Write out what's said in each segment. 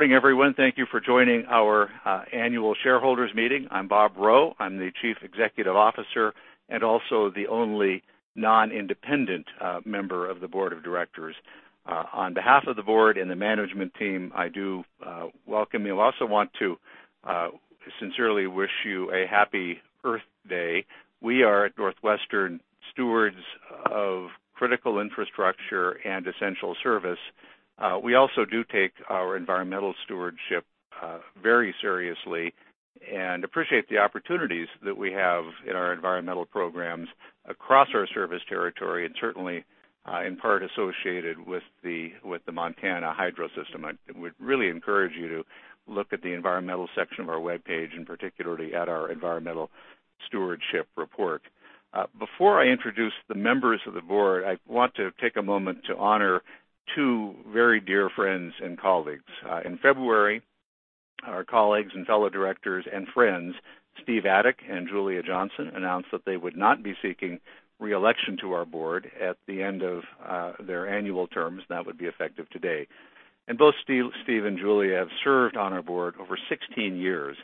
Morning, everyone. Thank you for joining our annual shareholders meeting. I'm Bob Rowe. I'm the Chief Executive Officer and also the only non-independent member Board of Directors. on behalf of the Board and the management team, I do welcome you. I also want to sincerely wish you a happy Earth Day. We are, at NorthWestern, stewards of critical infrastructure and essential service. We also do take our environmental stewardship very seriously and appreciate the opportunities that we have in our environmental programs across our service territory, and certainly, in part, associated with the Montana Hydro system. I would really encourage you to look at the environmental section of our webpage and particularly at our environmental stewardship report. Before I introduce the members of the Board, I want to take a moment to honor two very dear friends and colleagues. In February, our colleagues and fellow directors and friends, Steve Adik and Julia Johnson, announced that they would not be seeking re-election to our Board at the end of their annual terms. That would be effective today. Both Steve and Julia have served on our Board over 16 years.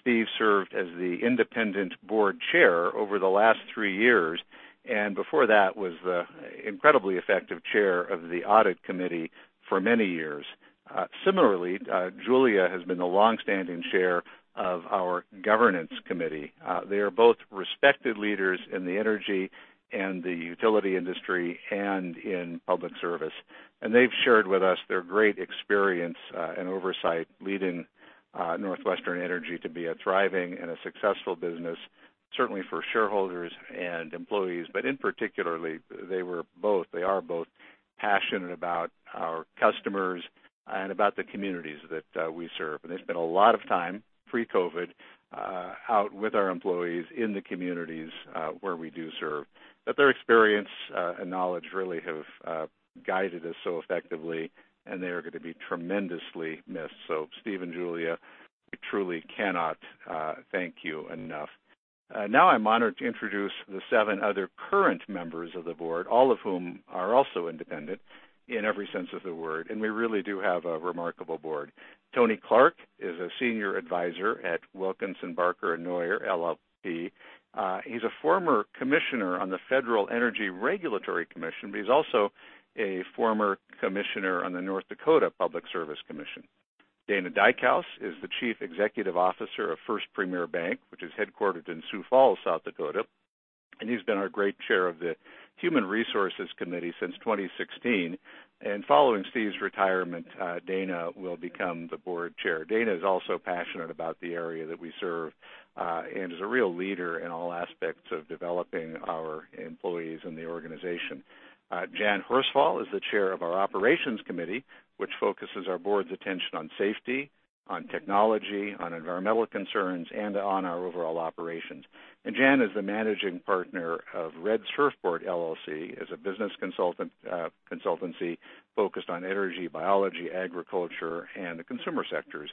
Steve served as the independent Board Chair over the last three years, and before that, was the incredibly effective Chair of the audit Committee for many years. Similarly, Julia has been the longstanding Chair of our governance Committee. They are both respected leaders in the energy and the utility industry and in public service. They've shared with us their great experience and oversight leading NorthWestern Energy to be a thriving and a successful business, certainly for shareholders and employees. In particular, they are both passionate about our customers and about the communities that we serve. They spent a lot of time, pre-COVID, out with our employees in the communities where we do serve. Their experience and knowledge really have guided us so effectively, and they are going to be tremendously missed. Steve and Julia, we truly cannot thank you enough. Now I'm honored to introduce the seven other current members of the Board, all of whom are also independent in every sense of the word, and we really do have a remarkable Board. Tony Clark is a senior advisor at Wilkinson Barker Knauer LLP. He's a former Commissioner on the Federal Energy Regulatory Commission, but he's also a former Commissioner on the North Dakota Public Service Commission. Dana Dykhouse is the Chief Executive Officer of First Premier Bank, which is headquartered in Sioux Falls, South Dakota, and he's been our great Chair of the Human Resources Committee since 2016. Following Steve's retirement, Dana will become the Board Chair. Dana is also passionate about the area that we serve and is a real leader in all aspects of developing our employees and the organization. Jan Horsfall is the Chair of our Operations Committee, which focuses our Board's attention on safety, on technology, on environmental concerns, and on our overall operations. Jan is the managing partner of Red Surfboard LLC, a business consultancy focused on energy, biology, agriculture, and the consumer sectors.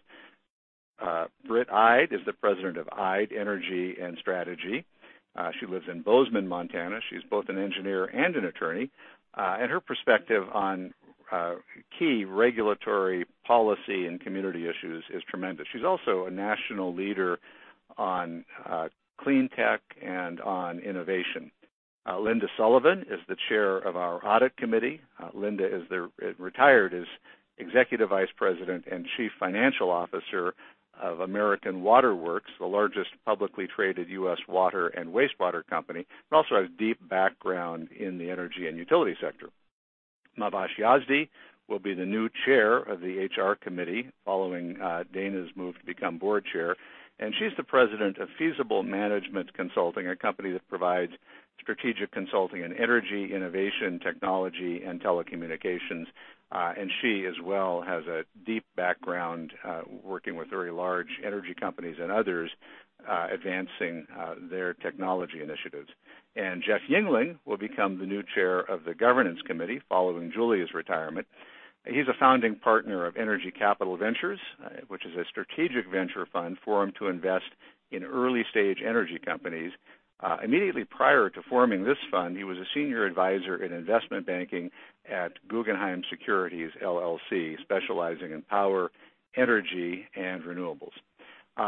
Britt Ide is the president of Ide Energy & Strategy. She lives in Bozeman, Montana. She's both an engineer and an attorney, and her perspective on key regulatory policy and community issues is tremendous. She's also a national leader on clean tech and on innovation. Linda Sullivan is the Chair of our Audit Committee. Linda retired as Executive Vice President and Chief Financial Officer of American Water Works, the largest publicly traded U.S. water and wastewater company, and also has a deep background in the energy and utility sector. Mahvash Yazdi will be the new Chair of the HR Committee following Dana's move to become Board Chair. She's the President of Feasible Management Consulting, a company that provides strategic consulting in energy, innovation, technology, and telecommunications. She, as well, has a deep background working with very large energy companies and others, advancing their technology initiatives. Jeff Yingling will become the new Chair of the Governance Committee following Julia's retirement. He's a Founding Partner of Energy Capital Ventures, which is a strategic venture fund formed to invest in early-stage energy companies. Immediately prior to forming this fund, he was a senior advisor in investment banking at Guggenheim Securities LLC, specializing in power, energy, and renewables.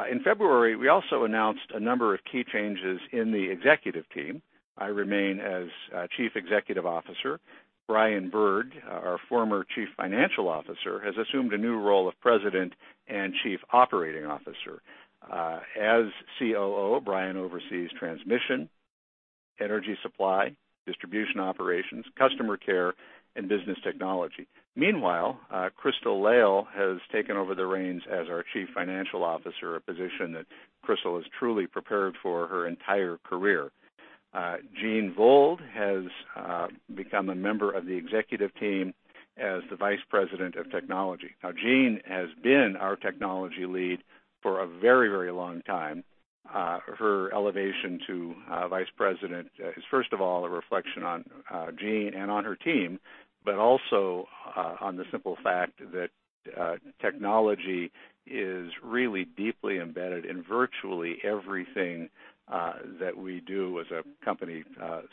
In February, we also announced a number of key changes in the executive team. I remain as Chief Executive Officer. Brian Bird, our former Chief Financial Officer, has assumed a new role of President and Chief Operating Officer. As COO, Brian oversees transmission, energy supply, distribution operations, customer care, and business technology. Meanwhile, Crystal Lail has taken over the reins as our Chief Financial Officer, a position that Crystal has truly prepared for her entire career. Jeanne Vold has become a member of the executive team as the Vice President of Technology. Now, Jeanne has been our technology lead for a very long time. Her elevation to vice president is, first of all, a reflection on Jeanne and on her team, but also on the simple fact that technology is really deeply embedded in virtually everything that we do as a company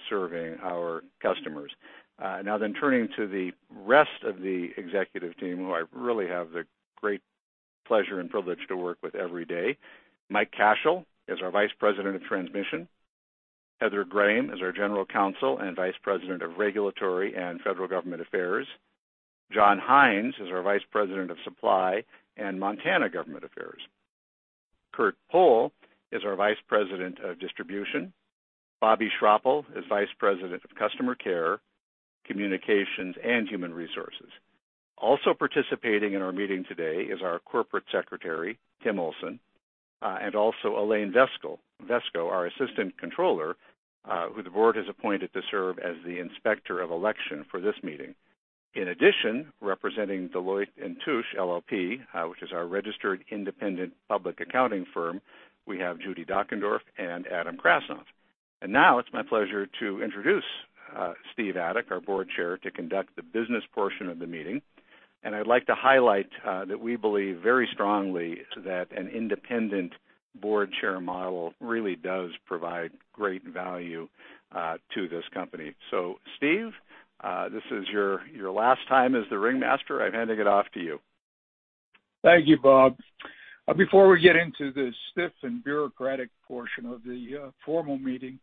serving our customers. Now turning to the rest of the executive team, who I really have the great pleasure and privilege to work with every day. Michael Cashell is our Vice President of Transmission. Heather Grahame is our General Counsel and Vice President of Regulatory and Federal Government Affairs. John Hines is our Vice President of Supply and Montana Government Affairs. Curtis Pohl is our Vice President of Distribution. Bobbi Schroeppel is Vice President of Customer Care, Communications, and Human Resources. Also participating in our meeting today is our corporate secretary, Tim Olson, and also Elaine Vesco, our assistant controller, who the Board has appointed to serve as the Inspector of Election for this meeting. In addition, representing Deloitte & Touche LLP, which is our registered independent public accounting firm, we have Judy Dockendorf and Adam Krasnoff. Now it's my pleasure to introduce Steve Adik, our Board Chair, to conduct the business portion of the meeting. I'd like to highlight that we believe very strongly that an independent Board Chair model really does provide great value to this company. Steve, this is your last time as the ringmaster. I'm handing it off to you. Thank you, Bob. Before we get into the stiff and bureaucratic portion of the formal meeting,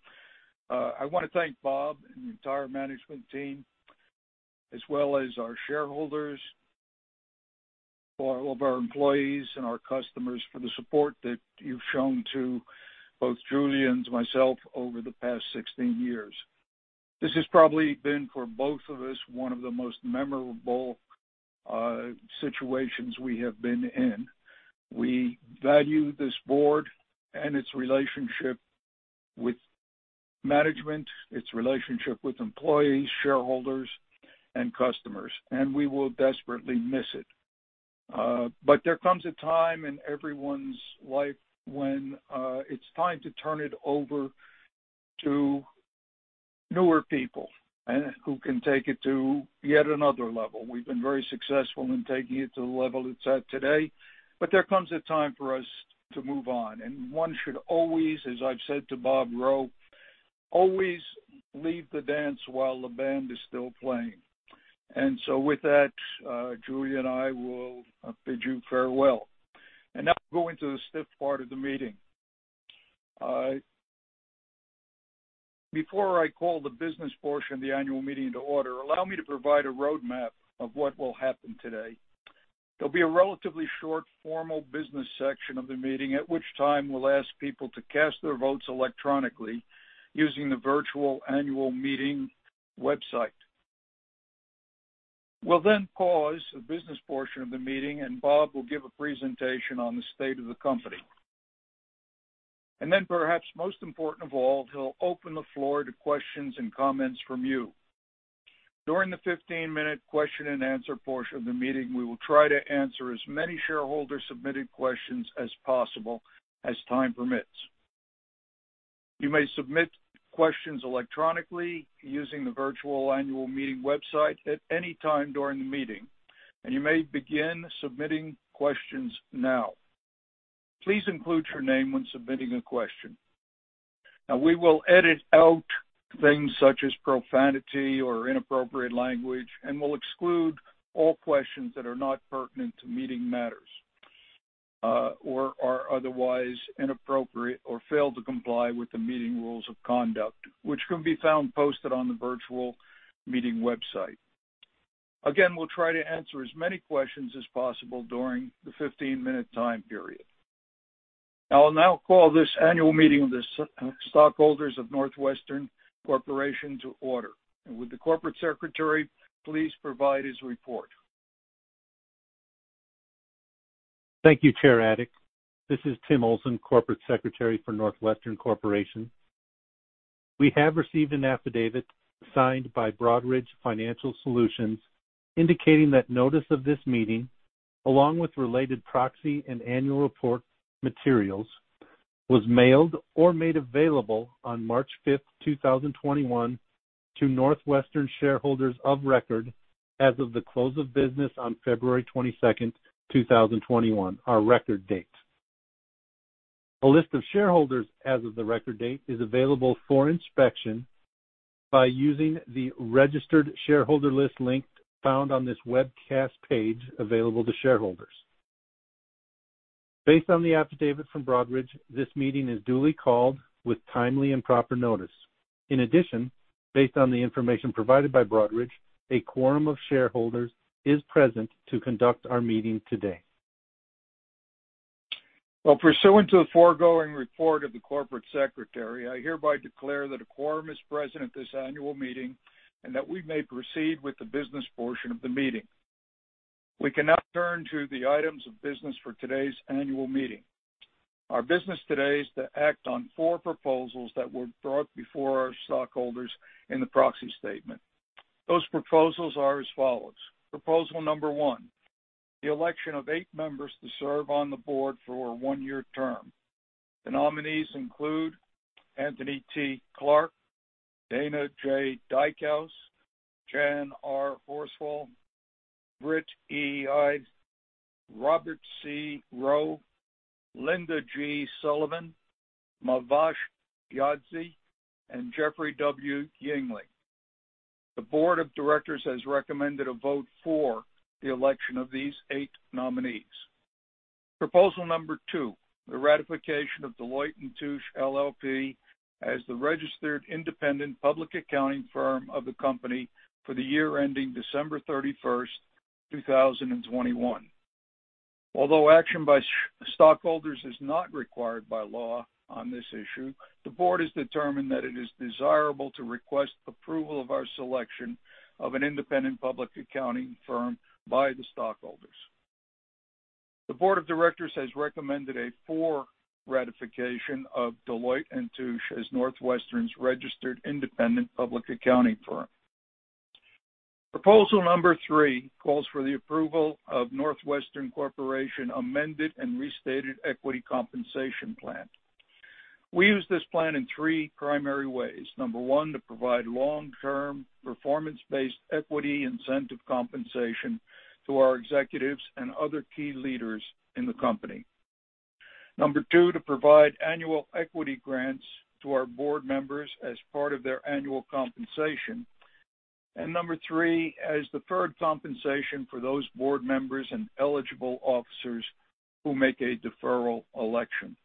I want to thank Bob and the entire management team, as well as our shareholders, all of our employees and our customers for the support that you've shown to both Julie and myself over the past 16 years. This has probably been, for both of us, one of the most memorable situations we have been in. We value this Board and its relationship with management, its relationship with employees, shareholders, and customers, and we will desperately miss it. There comes a time in everyone's life when it's time to turn it over to newer people and who can take it to yet another level. We've been very successful in taking it to the level it's at today, but there comes a time for us to move on. One should always, as I've said to Bob Rowe, always leave the dance while the band is still playing. With that, Julie and I will bid you farewell. Now we go into the stiff part of the meeting. Before I call the business portion of the Annual Meeting to order, allow me to provide a roadmap of what will happen today. There'll be a relatively short formal business section of the meeting, at which time we'll ask people to cast their votes electronically using the virtual Annual Meeting website. We'll then pause the business portion of the meeting, and Bob will give a presentation on the state of the company. Perhaps most important of all, he'll open the floor to questions and comments from you. During the 15-minute question and answer portion of the meeting, we will try to answer as many shareholder-submitted questions as possible as time permits. You may submit questions electronically using the virtual Annual Meeting website at any time during the meeting, and you may begin submitting questions now. Please include your name when submitting a question. We will edit out things such as profanity or inappropriate language and will exclude all questions that are not pertinent to meeting matters or are otherwise inappropriate or fail to comply with the meeting rules of conduct, which can be found posted on the virtual meeting website. We'll try to answer as many questions as possible during the 15-minute time period. I will now call this Annual Meeting of the stockholders of NorthWestern Corporation to order. Would the Corporate Secretary please provide his report? Thank you, Chair Adik. This is Tim Olson, Corporate Secretary for NorthWestern Corporation. We have received an affidavit signed by Broadridge Financial Solutions indicating that notice of this meeting, along with related proxy and annual report materials, was mailed or made available on March 5th, 2021 to NorthWestern shareholders of record as of the close of business on February 22nd, 2021, our record date. A list of shareholders as of the record date is available for inspection by using the registered shareholder list link found on this webcast page available to shareholders. Based on the affidavit from Broadridge, this meeting is duly called with timely and proper notice. In addition, based on the information provided by Broadridge, a quorum of shareholders is present to conduct our meeting today. Well, pursuant to the foregoing report of the corporate secretary, I hereby declare that a quorum is present at this Annual Meeting and that we may proceed with the business portion of the meeting. We can now turn to the items of business for today's Annual Meeting. Our business today is to act on four proposals that were brought before our stockholders in the proxy statement. Those proposals are as follows. Proposal number one, the election of eight members to serve on the Board for a one-year term. The nominees include Anthony T. Clark, Dana J. Dykhouse, Jan R. Horsfall, Britt E. Ide, Robert C. Rowe, Linda G. Sullivan, Mahvash Yazdi, and Jeffrey W. Yingling. Board of Directors has recommended a vote for the election of these eight nominees. Proposal number two, the ratification of Deloitte & Touche LLP as the registered independent public accounting firm of the company for the year ending December 31st, 2021. Although action by stockholders is not required by law on this issue, the Board has determined that it is desirable to request approval of our selection of an independent public accounting firm by the Board of Directors has recommended a for ratification of Deloitte & Touche as NorthWestern's registered independent public accounting firm. Proposal number three calls for the approval of NorthWestern Corporation amended and restated equity compensation plan. We use this plan in three primary ways. Number one, to provide long-term, performance-based equity incentive compensation to our executives and other key leaders in the company. Number two, to provide annual equity grants to our Board members as part of their annual compensation. Number three, as deferred compensation for those Board members and eligible officers who make a deferral election.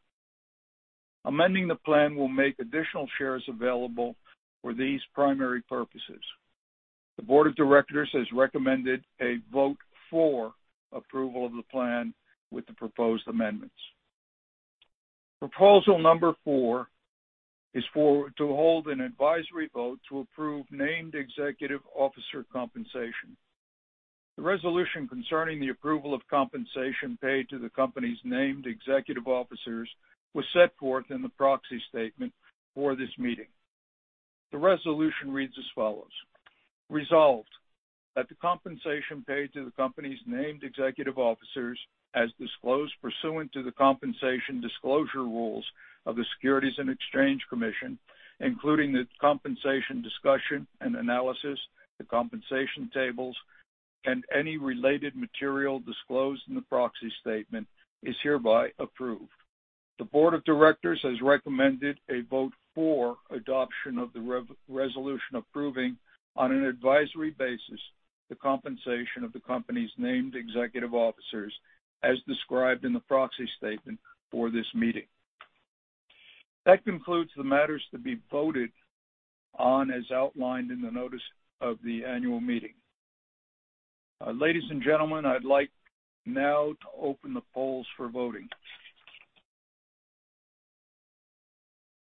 Amending the plan will make additional shares available for these primary Board of Directors has recommended a vote for approval of the plan with the proposed amendments. Proposal number four is to hold an advisory vote to approve named executive officer compensation. The resolution concerning the approval of compensation paid to the company's named executive officers was set forth in the proxy statement for this meeting. The resolution reads as follows. Resolved, that the compensation paid to the company's named executive officers, as disclosed pursuant to the compensation disclosure rules of the Securities and Exchange Commission, including the compensation discussion and analysis, the compensation tables, and any related material disclosed in the proxy statement, is hereby approved. Board of Directors has recommended a vote for adoption of the resolution approving, on an advisory basis, the compensation of the company's named executive officers as described in the proxy statement for this meeting. That concludes the matters to be voted on as outlined in the notice of the Annual Meeting. Ladies and gentlemen, I'd like now to open the polls for voting.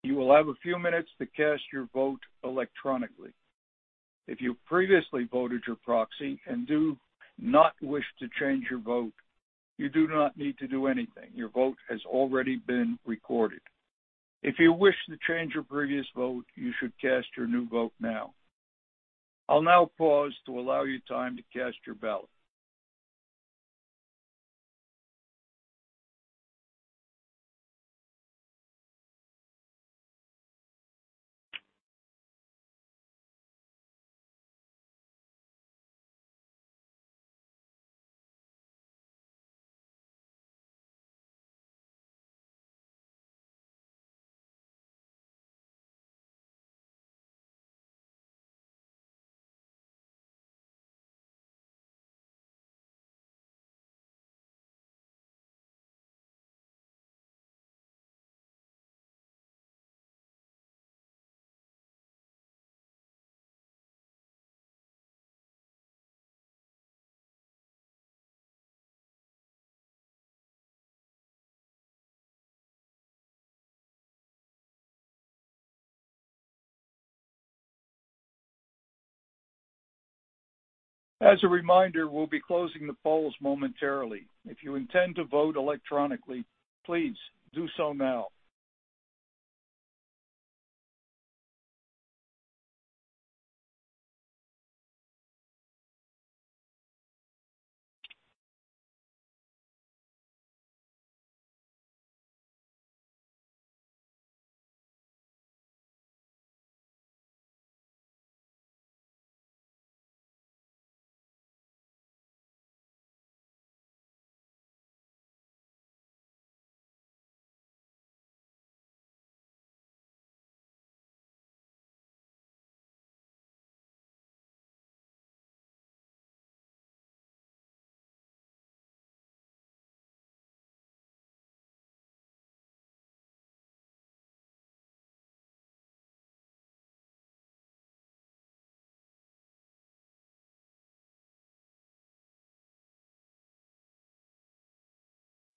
You will have a few minutes to cast your vote electronically. If you previously voted your proxy and do not wish to change your vote, you do not need to do anything. Your vote has already been recorded. If you wish to change your previous vote, you should cast your new vote now. I'll now pause to allow you time to cast your ballot. As a reminder, we'll be closing the polls momentarily. If you intend to vote electronically, please do so now.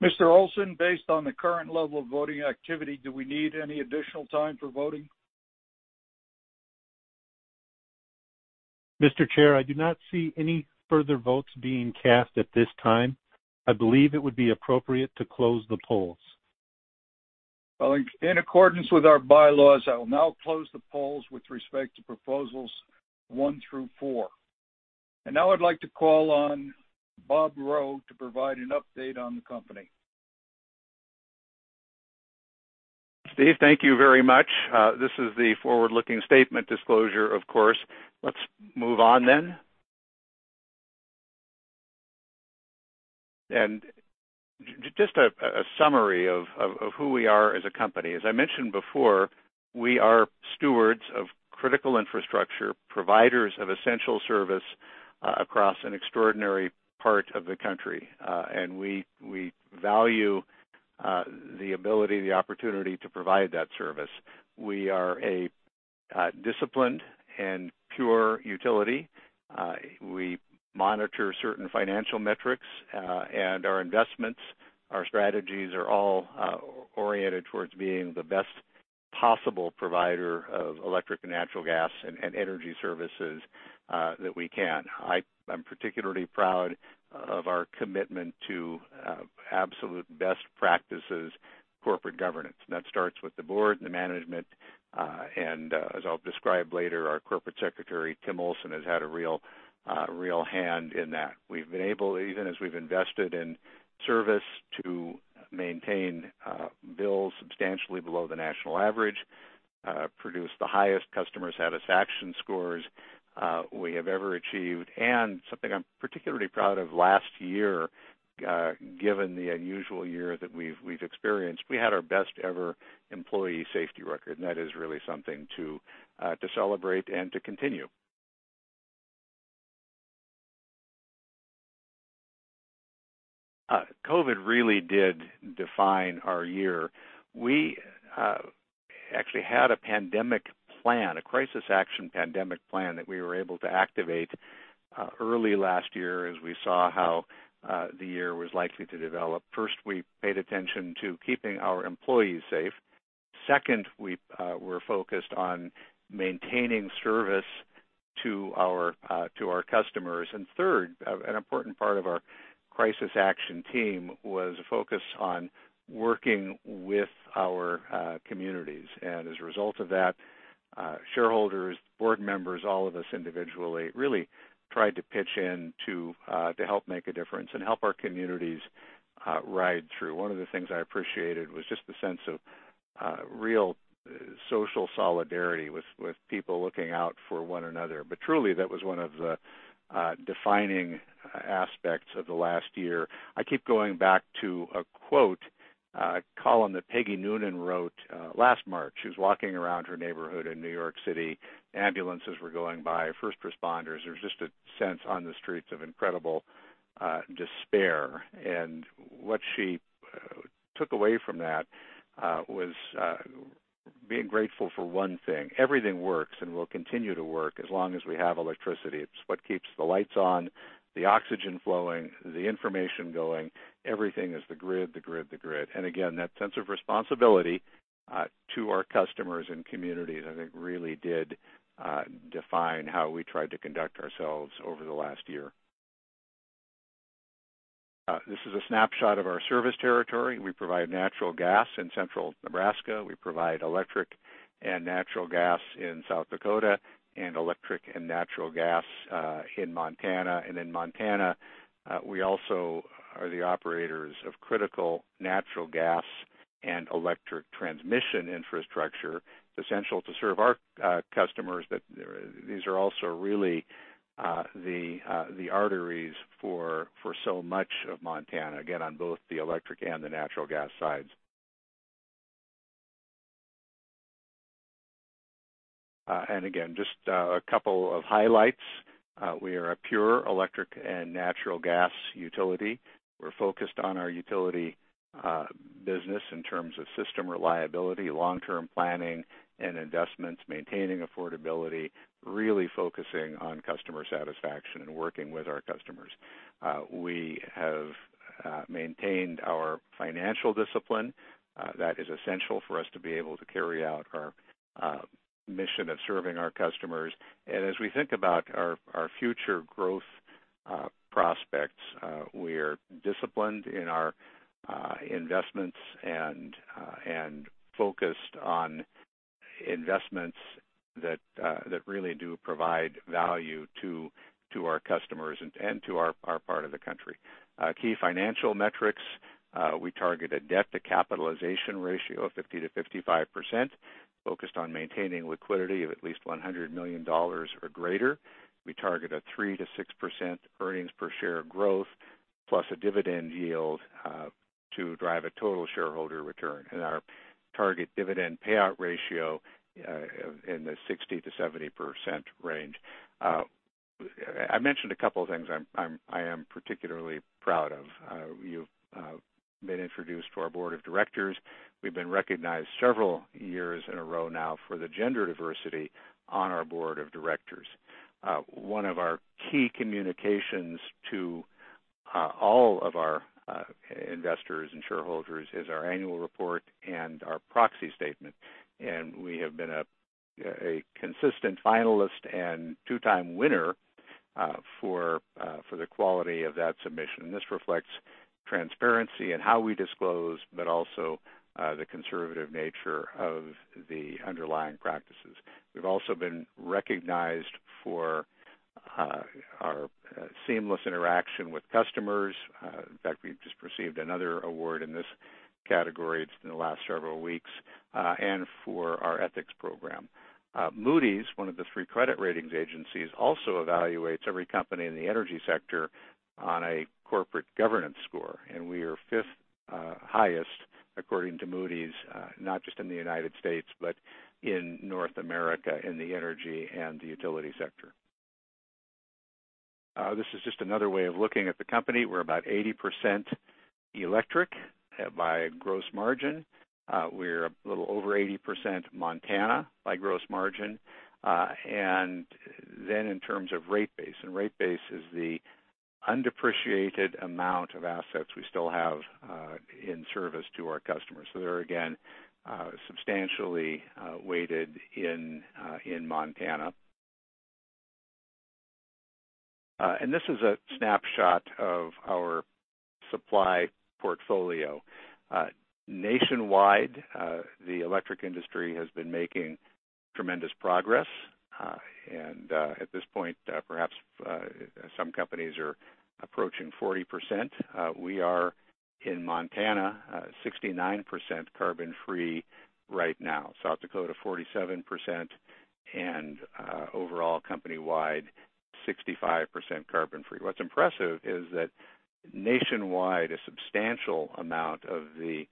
Mr. Olson, based on the current level of voting activity, do we need any additional time for voting? Mr. Chair, I do not see any further votes being cast at this time. I believe it would be appropriate to close the polls. In accordance with our bylaws, I will now close the polls with respect to proposals one through four. Now I'd like to call on Bob Rowe to provide an update on the company. Steve, thank you very much. This is the forward-looking statement disclosure, of course. Let's move on then. Just a summary of who we are as a company. As I mentioned before, we are stewards of critical infrastructure, providers of essential service across an extraordinary part of the country. We value the ability, the opportunity to provide that service. We are a disciplined and pure utility. We monitor certain financial metrics, and our investments, our strategies are all oriented towards being the best possible provider of electric and natural gas and energy services that we can. I'm particularly proud of our commitment to absolute best practices corporate governance. That starts with the Board, the management, and as I'll describe later, our Corporate Secretary, Tim Olson, has had a real hand in that. We've been able, even as we've invested in service, to maintain bills substantially below the national average, produce the highest customer satisfaction scores we have ever achieved. Something I'm particularly proud of last year, given the unusual year that we've experienced, we had our best-ever employee safety record, and that is really something to celebrate and to continue. COVID really did define our year. We actually had a pandemic plan, a crisis action pandemic plan that we were able to activate early last year as we saw how the year was likely to develop. First, we paid attention to keeping our employees safe. Second, we were focused on maintaining service to our customers. Third, an important part of our crisis action team was focused on working with our communities. As a result of that, shareholders, Board members, all of us individually, really tried to pitch in to help make a difference and help our communities ride through. One of the things I appreciated was just the sense of real social solidarity with people looking out for one another. Truly, that was one of the defining aspects of the last year. I keep going back to a quote, a column that Peggy Noonan wrote last March. She was walking around her neighborhood in New York City. Ambulances were going by, first responders. There was just a sense on the streets of incredible despair. What she took away from that was being grateful for one thing. Everything works and will continue to work as long as we have electricity. It's what keeps the lights on, the oxygen flowing, the information going. Everything is the grid, the grid, the grid. Again, that sense of responsibility to our customers and communities, I think, really did define how we tried to conduct ourselves over the last year. This is a snapshot of our service territory. We provide natural gas in Central Nebraska. We provide electric and natural gas in South Dakota and electric and natural gas in Montana. In Montana, we also are the operators of critical natural gas and electric transmission infrastructure, essential to serve our customers that these are also really the arteries for so much of Montana, again, on both the electric and the natural gas sides. Again, just a couple of highlights. We are a pure electric and natural gas utility. We're focused on our utility business in terms of system reliability, long-term planning and investments, maintaining affordability, really focusing on customer satisfaction and working with our customers. We have maintained our financial discipline. That is essential for us to be able to carry out our mission of serving our customers. As we think about our future growth prospects, we're disciplined in our investments and focused on investments that really do provide value to our customers and to our part of the country. Key financial metrics, we target a debt-to-capitalization ratio of 50%-55%, focused on maintaining liquidity of at least $100 million or greater. We target a 3%-6% earnings per share growth, plus a dividend yield to drive a total shareholder return. Our target dividend payout ratio in the 60%-70% range. I mentioned a couple of things I am particularly proud of. You've been introduced Board of Directors. we've been recognized several years in a row now for the gender diversity Board of Directors. One of our key communications to all of our investors and shareholders is our annual report and our proxy statement. We have been a consistent finalist and two-time winner for the quality of that submission. This reflects transparency in how we disclose, but also the conservative nature of the underlying practices. We've also been recognized for our seamless interaction with customers. In fact, we've received another award in this category. It's in the last several weeks, and for our ethics program. Moody's, one of the three credit ratings agencies, also evaluates every company in the energy sector on a corporate governance score, and we are fifth highest according to Moody's, not just in the United States, but in North America, in the energy and the utility sector. This is just another way of looking at the company. We're about 80% electric, by gross margin. We're a little over 80% Montana by gross margin. In terms of rate base, and rate base is the undepreciated amount of assets we still have in service to our customers. There, again, substantially weighted in Montana. This is a snapshot of our supply portfolio. Nationwide, the electric industry has been making tremendous progress. At this point, perhaps some companies are approaching 40%. We are, in Montana, 69% carbon-free right now. South Dakota, 47%, and overall company-wide, 65% carbon-free. What's impressive is that nationwide, a substantial amount of the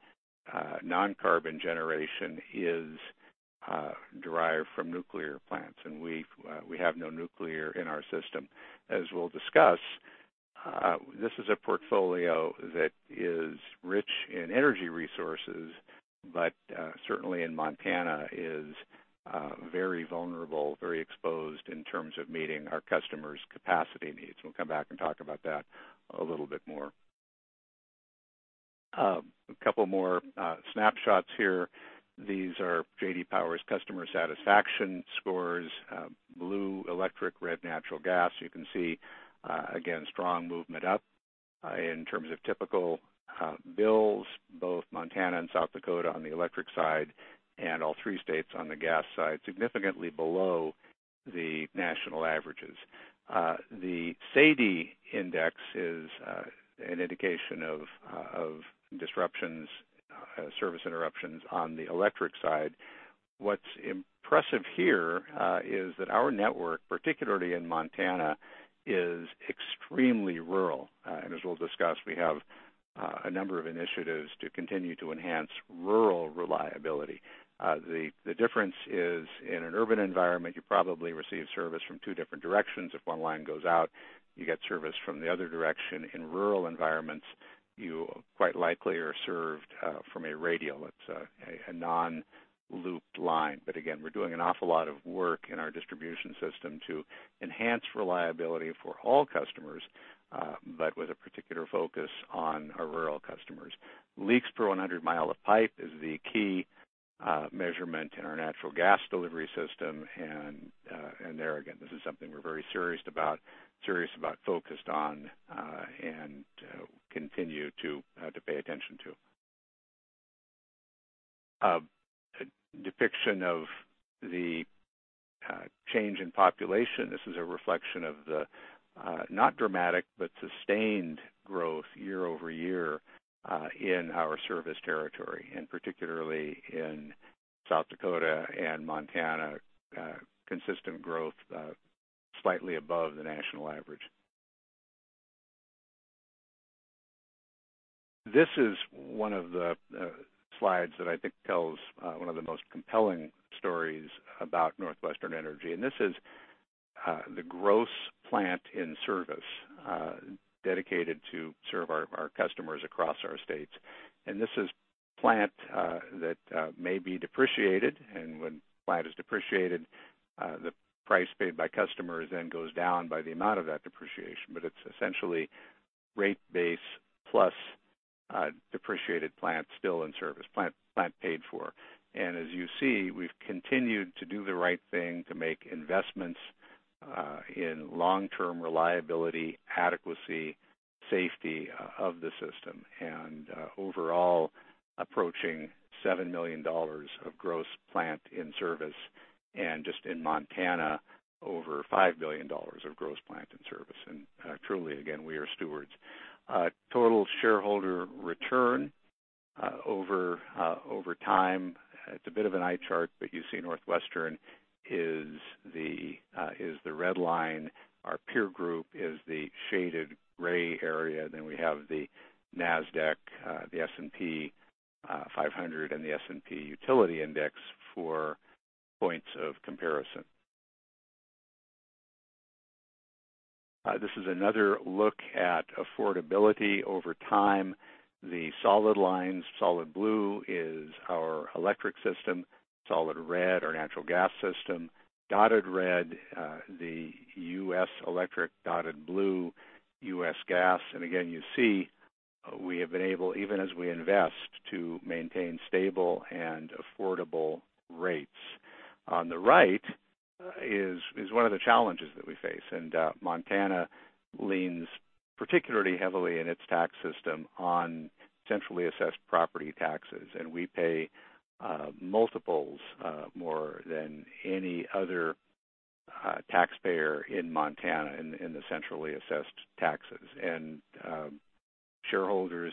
non-carbon generation is derived from nuclear plants, and we have no nuclear in our system. As we'll discuss, this is a portfolio that is rich in energy resources, but, certainly in Montana, is very vulnerable, very exposed in terms of meeting our customers' capacity needs. We'll come back and talk about that a little bit more. A couple more snapshots here. These are J.D. Power's customer satisfaction scores. Blue, electric, red, natural gas. You can see, again, strong movement up. In terms of typical bills, both Montana and South Dakota on the electric side, and all three states on the gas side, significantly below the national averages. The SAIDI index is an indication of disruptions, service interruptions on the electric side. What's impressive here is that our network, particularly in Montana, is extremely rural. As we'll discuss, we have a number of initiatives to continue to enhance rural reliability. The difference is, in an urban environment, you probably receive service from two different directions. If one line goes out, you get service from the other direction. In rural environments, you quite likely are served from a radial. It's a non-looped line. Again, we're doing an awful lot of work in our distribution system to enhance reliability for all customers, but with a particular focus on our rural customers. Leaks per 100 mi of pipe is the key measurement in our natural gas delivery system. There, again, this is something we're very serious about, focused on and continue to pay attention to. A depiction of the change in population. This is a reflection of the not dramatic, but sustained growth year-over-year, in our service territory, and particularly in South Dakota and Montana, consistent growth, slightly above the national average. This is one of the slides that I think tells one of the most compelling stories about NorthWestern Energy, this is the gross plant in service dedicated to serve our customers across our states. This is plant that may be depreciated. When plant is depreciated, the price paid by customers then goes down by the amount of that depreciation. It's essentially rate base plus depreciated plant still in service. Plant paid for. As you see, we've continued to do the right thing to make investments, in long-term reliability, adequacy, safety of the system, and overall, approaching $7 billion of gross plant in service. Just in Montana, over $5 billion of gross plant in service. Truly, again, we are stewards. Total shareholder return, over time. It's a bit of an eye chart, but you see NorthWestern is the red line. Our peer group is the shaded gray area. We have the Nasdaq, the S&P 500, and the S&P Utility Index for points of comparison. This is another look at affordability over time. The solid lines, solid blue is our electric system, solid red, our natural gas system. Dotted red, the U.S. electric, dotted blue, U.S. gas. Again, you see we have been able, even as we invest, to maintain stable and affordable rates. On the right is one of the challenges that we face. Montana leans particularly heavily in its tax system on centrally assessed property taxes. We pay multiples more than any other taxpayer in Montana in the centrally assessed taxes. Shareholders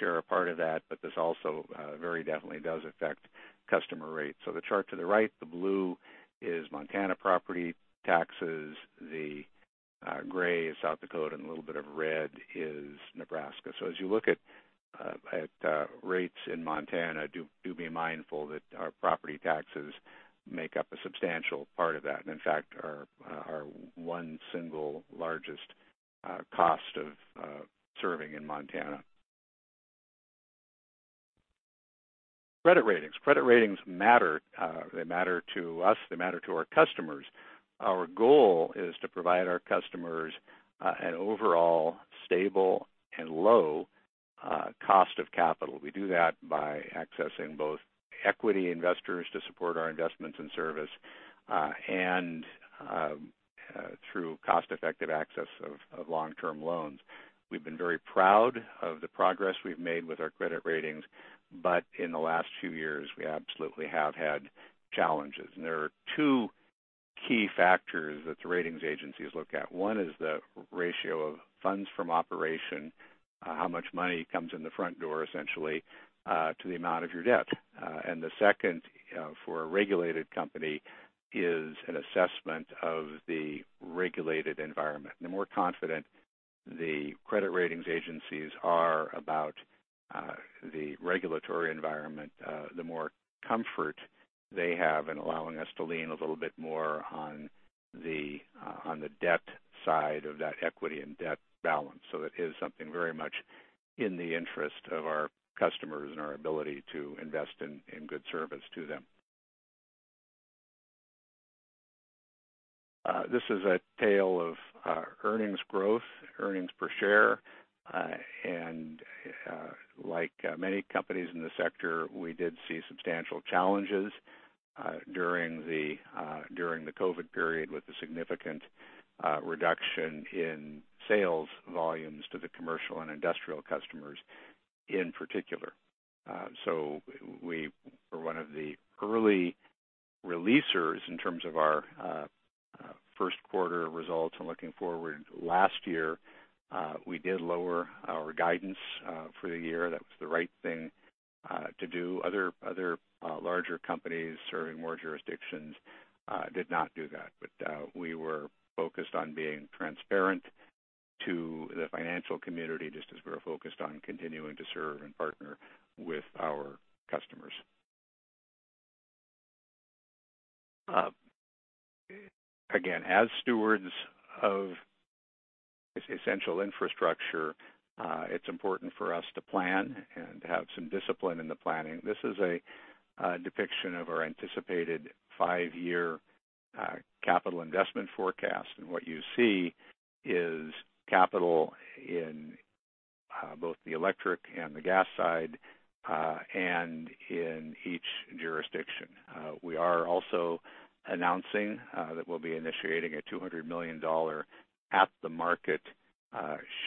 share a part of that, but this also very definitely does affect customer rates. The chart to the right, the blue is Montana property taxes, the gray is South Dakota, and a little bit of red is Nebraska. As you look at rates in Montana, do be mindful that our property taxes make up a substantial part of that, and in fact, are one single largest cost of serving in Montana. Credit ratings. Credit ratings matter. They matter to us, they matter to our customers. Our goal is to provide our customers an overall stable and low cost of capital. We do that by accessing both equity investors to support our investments and service, and through cost-effective access of long-term loans. We've been very proud of the progress we've made with our credit ratings, but in the last few years, we absolutely have had challenges. There are two key factors that the ratings agencies look at. One is the ratio of funds from operation, how much money comes in the front door, essentially, to the amount of your debt. The second, for a regulated company, is an assessment of the regulated environment. The more confident the credit ratings agencies are about the regulatory environment, the more comfort they have in allowing us to lean a little bit more on the debt side of that equity and debt balance. It is something very much in the interest of our customers and our ability to invest in good service to them. This is a tale of earnings growth, earnings per share. Like many companies in the sector, we did see substantial challenges during the COVID period with the significant reduction in sales volumes to the commercial and industrial customers in particular. We were one of the early releasers in terms of our first quarter results and looking forward. Last year, we did lower our guidance for the year. That was the right thing to do. Other larger companies serving more jurisdictions did not do that. We were focused on being transparent to the financial community, just as we were focused on continuing to serve and partner with our customers. Again, as stewards of this essential infrastructure, it's important for us to plan and to have some discipline in the planning. This is a depiction of our anticipated five-year capital investment forecast. What you see is capital in both the electric and the gas side, and in each jurisdiction. We are also announcing that we'll be initiating a $200 million at-the-market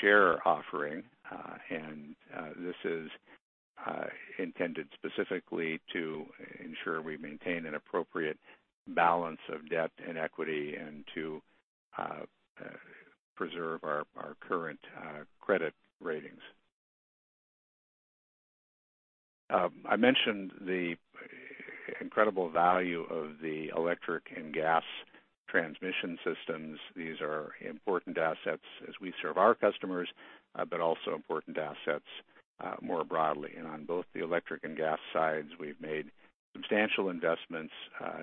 share offering. This is intended specifically to ensure we maintain an appropriate balance of debt and equity and to preserve our current credit ratings. I mentioned the incredible value of the electric and gas transmission systems. These are important assets as we serve our customers, but also important assets more broadly. On both the electric and gas sides, we've made substantial investments.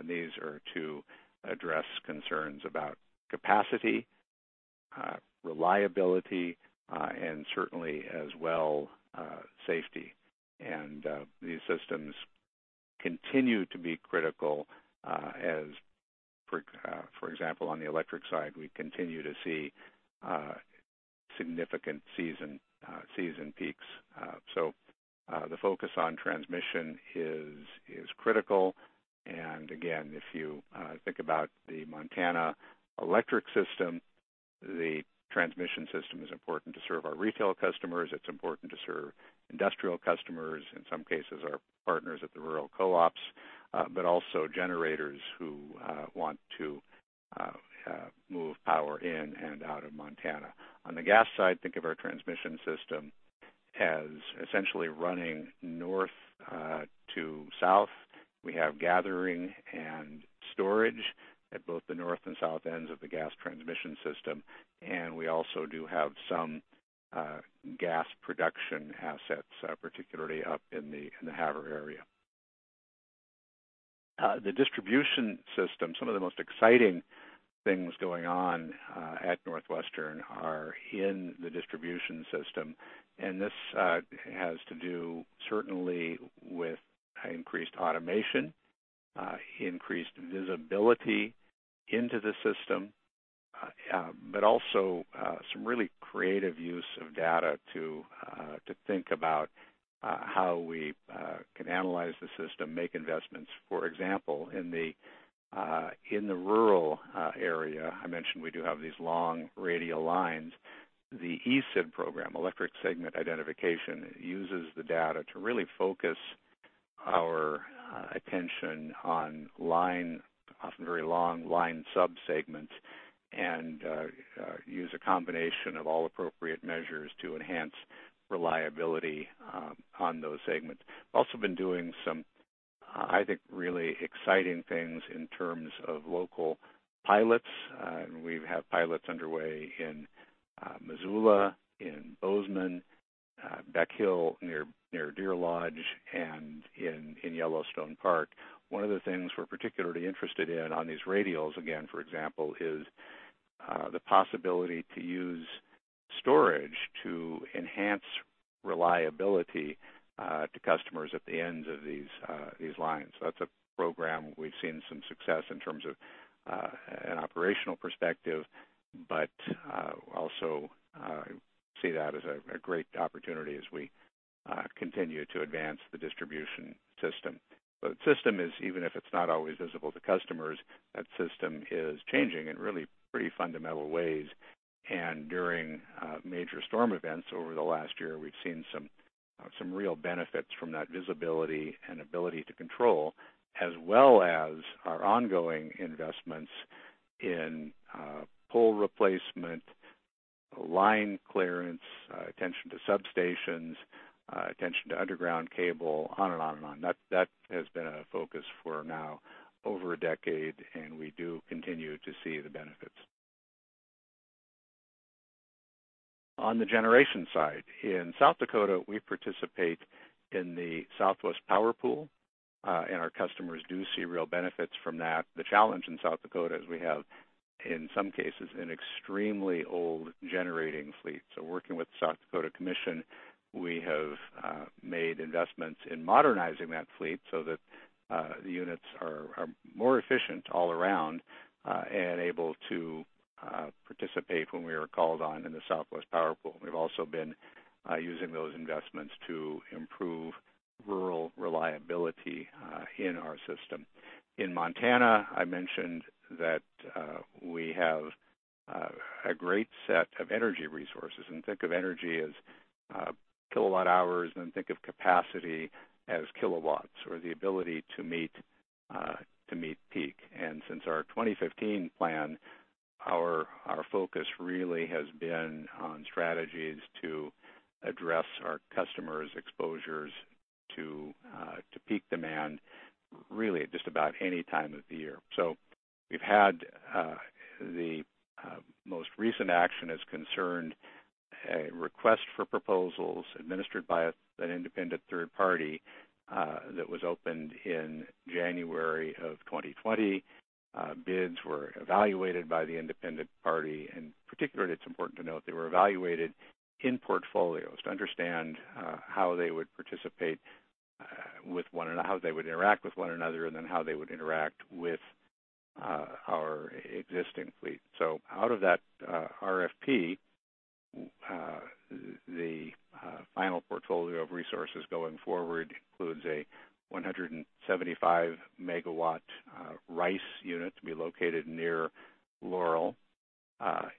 These are to address concerns about capacity, reliability, and certainly as well, safety. These systems continue to be critical as, for example, on the electric side, we continue to see significant season peaks. The focus on transmission is critical. Again, if you think about the Montana electric system, the transmission system is important to serve our retail customers, it's important to serve industrial customers, in some cases, our partners at the rural co-ops, but also generators who want to move power in and out of Montana. On the gas side, think of our transmission system as essentially running north to south. We have gathering and storage at both the north and south ends of the gas transmission system, and we also do have some gas production assets, particularly up in the Havre area. The distribution system. Some of the most exciting things going on at NorthWestern are in the distribution system, and this has to do certainly with increased automation, increased visibility into the system, but also some really creative use of data to think about how we can analyze the system, make investments. For example, in the rural area, I mentioned we do have these long radial lines. The ESID program, Electric Segment Identification, uses the data to really focus our attention on line, often very long line sub-segments, and use a combination of all appropriate measures to enhance reliability on those segments. We have also been doing some, I think, really exciting things in terms of local pilots. We have pilots underway in Missoula, in Bozeman, Beck Hill near Deer Lodge, and in Yellowstone Park. One of the things we're particularly interested in on these radials, again, for example, is the possibility to use storage to enhance reliability to customers at the ends of these lines. That's a program we've seen some success in terms of an operational perspective, but also see that as a great opportunity as we continue to advance the distribution system. The system is, even if it's not always visible to customers, that system is changing in really pretty fundamental ways. During major storm events over the last year, we've seen some real benefits from that visibility and ability to control, as well as our ongoing investments in pole replacement, line clearance, attention to substations, attention to underground cable, on and on. That has been a focus for now over a decade, and we do continue to see the benefits. On the generation side, in South Dakota, we participate in the Southwest Power Pool, and our customers do see real benefits from that. The challenge in South Dakota is we have, in some cases, an extremely old generating fleet. Working with the South Dakota Commission, we have made investments in modernizing that fleet so that the units are more efficient all around and able to participate when we are called on in the Southwest Power Pool. We've also been using those investments to improve rural reliability in our system. In Montana, I mentioned that we have a great set of energy resources. Think of energy as kilowatt hours, and think of capacity as kilowatts or the ability to meet peak. Since our 2015 plan, our focus really has been on strategies to address our customers' exposures to peak demand, really at just about any time of the year. We've had the most recent action has concerned a request for proposals administered by an independent third party that was opened in January of 2020. Bids were evaluated by the independent party, and particularly, it's important to note they were evaluated in portfolios to understand how they would participate with one another, how they would interact with one another, and then how they would interact with our existing fleet. Out of that RFP, the final portfolio of resources going forward includes a 175 MW RICE unit to be located near Laurel,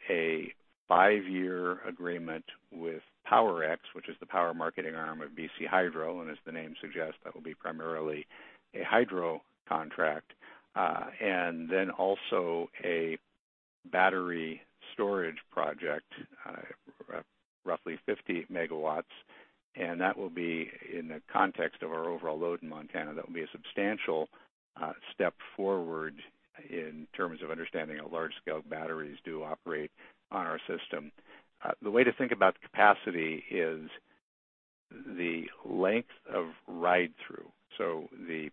a five-year agreement with Powerex, which is the power marketing arm of BC Hydro. As the name suggests, that will be primarily a hydro contract. Then also a battery storage project, roughly 50 MW, and that will be in the context of our overall load in Montana. That will be a substantial step forward in terms of understanding how large-scale batteries do operate on our system. The way to think about the capacity is the length of ride-through. The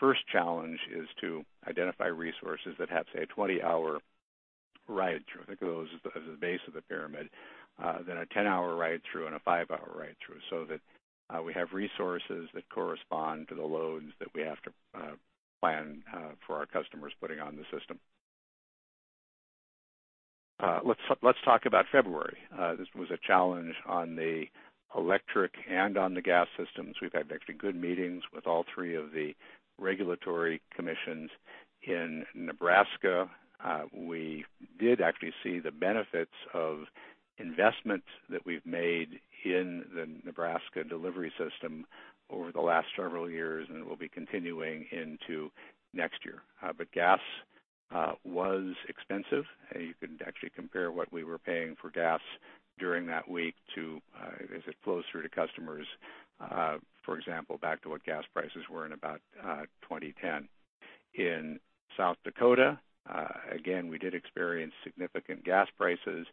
first challenge is to identify resources that have, say, a 20-hour ride-through. Think of those as the base of the pyramid. A 10-hour ride-through and a five-hour ride-through, so that we have resources that correspond to the loads that we have to plan for our customers putting on the system. Let's talk about February. This was a challenge on the electric and on the gas systems. We've had actually good meetings with all three of the regulatory commissions. In Nebraska, we did actually see the benefits of investments that we've made in the Nebraska delivery system over the last several years, and it will be continuing into next year. Gas was expensive. You can actually compare what we were paying for gas during that week to, as it flows through to customers, for example, back to what gas prices were in about 2010. In South Dakota, again, we did experience significant gas prices.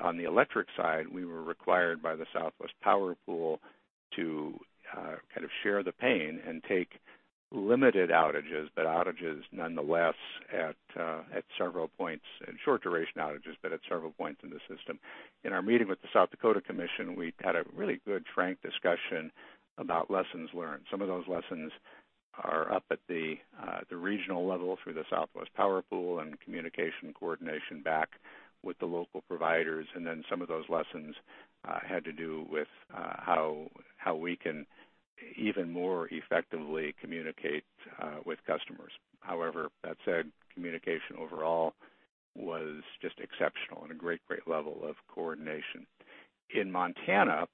On the electric side, we were required by the Southwest Power Pool to kind of share the pain and take limited outages, but outages nonetheless at several points. Short-duration outages, but at several points in the system. In our meeting with the South Dakota Commission, we had a really good, frank discussion about lessons learned. Some of those lessons are up at the regional level through the Southwest Power Pool and communication coordination back with the local providers. Some of those lessons had to do with how we can even more effectively communicate with customers. However, that said, communication overall was just exceptional and a great level of coordination. In Montana,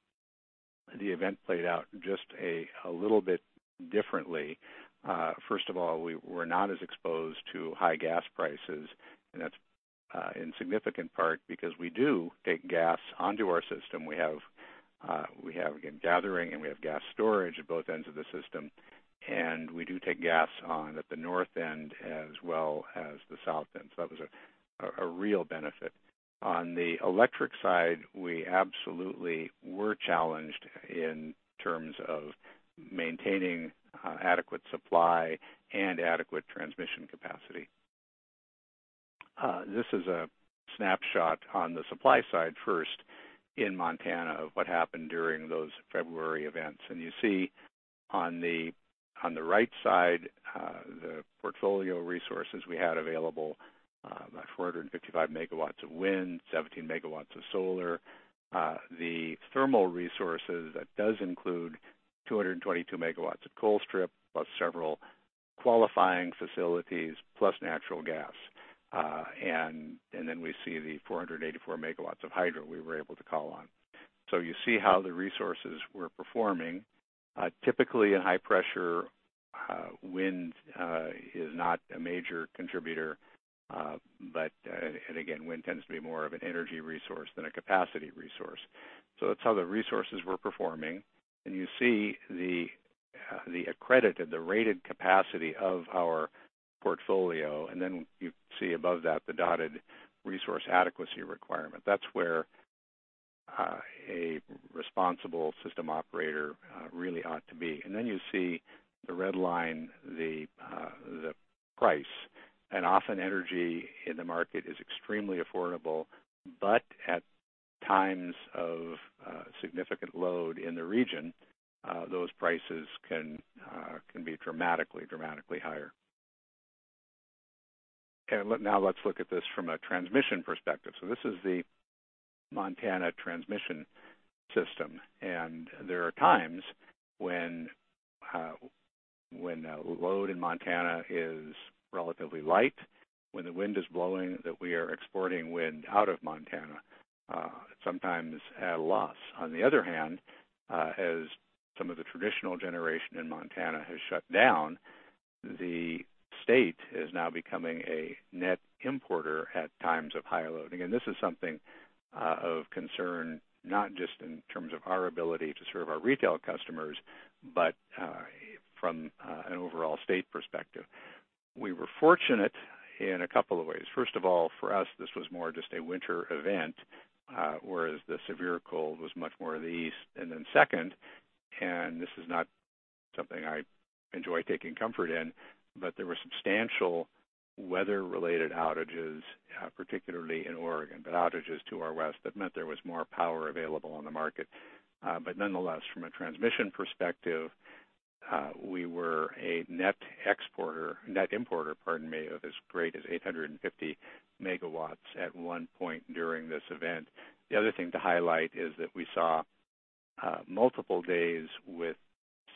the event played out just a little bit differently. First of all, we were not as exposed to high gas prices, and that's in significant part because we do take gas onto our system. We have, again, gathering, and we have gas storage at both ends of the system, and we do take gas on at the north end as well as the south end. That was a real benefit. On the electric side, we absolutely were challenged in terms of maintaining adequate supply and adequate transmission capacity. This is a snapshot on the supply side first in Montana of what happened during those February events. You see on the right side, the portfolio of resources we had available, about 455 MW of wind, 17 MW of solar. The thermal resources, that does include 222 MW of Colstrip, plus several qualifying facilities, plus natural gas. We see the 484 MW of hydro we were able to call on. You see how the resources were performing. Typically, in high pressure, wind is not a major contributor, and again, wind tends to be more of an energy resource than a capacity resource. That's how the resources were performing. You see the accredited, the rated capacity of our portfolio, and then you see above that the dotted resource adequacy requirement. That's where a responsible system operator really ought to be. You see the red line, the price. Often energy in the market is extremely affordable, but at times of significant load in the region, those prices can be dramatically higher. Let's look at this from a transmission perspective. This is the Montana transmission system, and there are times when load in Montana is relatively light, when the wind is blowing, that we are exporting wind out of Montana, sometimes at a loss. On the other hand, as some of the traditional generation in Montana has shut down, the state is now becoming a net importer at times of high loading. This is something of concern, not just in terms of our ability to serve our retail customers, but from an overall state perspective. We were fortunate in a couple of ways. First of all, for us, this was more just a winter event, whereas the severe cold was much more the East. Then second, and this is not something I enjoy taking comfort in, but there were substantial weather-related outages, particularly in Oregon, but outages to our west that meant there was more power available on the market. Nonetheless, from a transmission perspective, we were a net exporter, net importer, pardon me, of as great as 850 MW at one point during this event. The other thing to highlight is that we saw multiple days with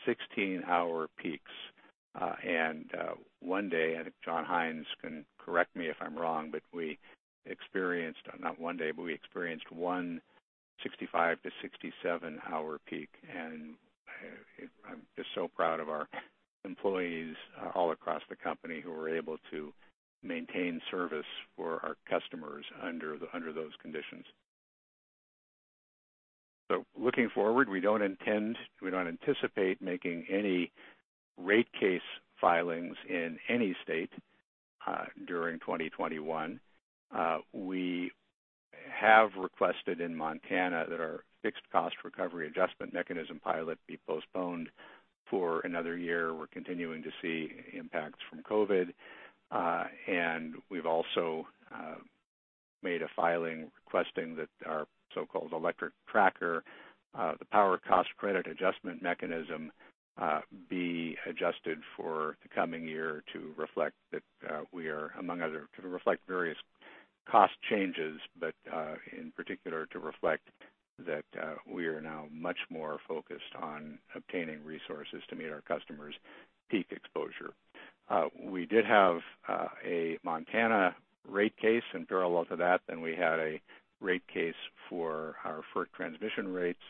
16-hour peaks. One day, and John Hines can correct me if I'm wrong, but we experienced, not one day, but we experienced one 65-67-hour peak. I'm just so proud of our employees all across the company who were able to maintain service for our customers under those conditions. Looking forward, we don't anticipate making any rate case filings in any state during 2021. We have requested in Montana that our fixed cost recovery adjustment mechanism pilot be postponed for another year. We're continuing to see impacts from COVID. We've also made a filing requesting that our so-called electric tracker, the Power Cost and Credit Adjustment Mechanism, be adjusted for the coming year to reflect various cost changes, but in particular to reflect that we are now much more focused on obtaining resources to meet our customers' peak exposure. We did have a Montana rate case. In parallel to that then we had a rate case for our FERC transmission rates.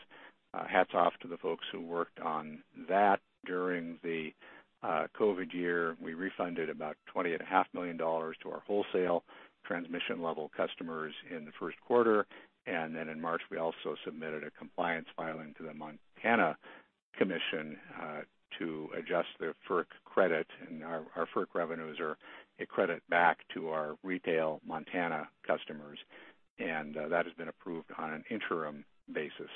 Hats off to the folks who worked on that during the COVID year. We refunded about $20.5 million to our wholesale transmission-level customers in the first quarter. In March, we also submitted a compliance filing to the Montana Commission to adjust their FERC credit. Our FERC revenues are a credit back to our retail Montana customers, and that has been approved on an interim basis.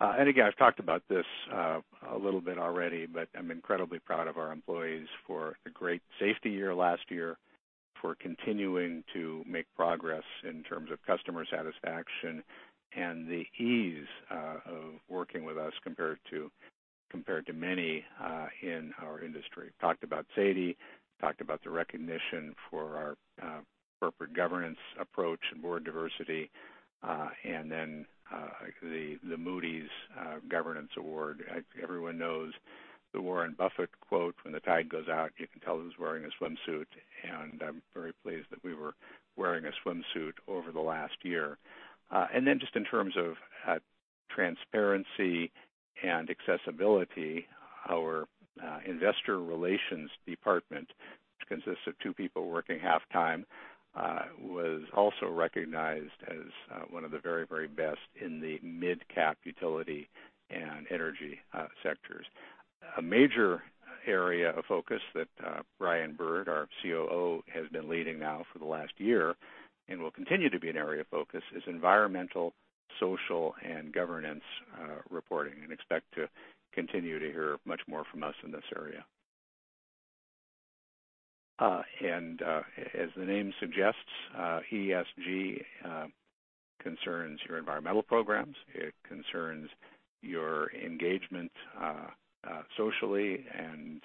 Again, I've talked about this a little bit already, but I'm incredibly proud of our employees for a great safety year last year, for continuing to make progress in terms of customer satisfaction and the ease of working with us compared to many in our industry. Talked about SAIDI, talked about the recognition for our corporate governance approach and Board diversity, and then the Moody's Governance Award. Everyone knows The Warren Buffett quote, "When the tide goes out, you can tell who's wearing a swimsuit." I'm very pleased that we were wearing a swimsuit over the last year. Then just in terms of transparency and accessibility, our investor relations department, which consists of two people working half-time, was also recognized as one of the very best in the mid-cap utility and energy sectors. A major area of focus that Brian Bird, our COO, has been leading now for the last year, and will continue to be an area of focus, is environmental, social, and governance reporting. Expect to continue to hear much more from us in this area. As the name suggests, ESG concerns your environmental programs, it concerns your engagement socially, and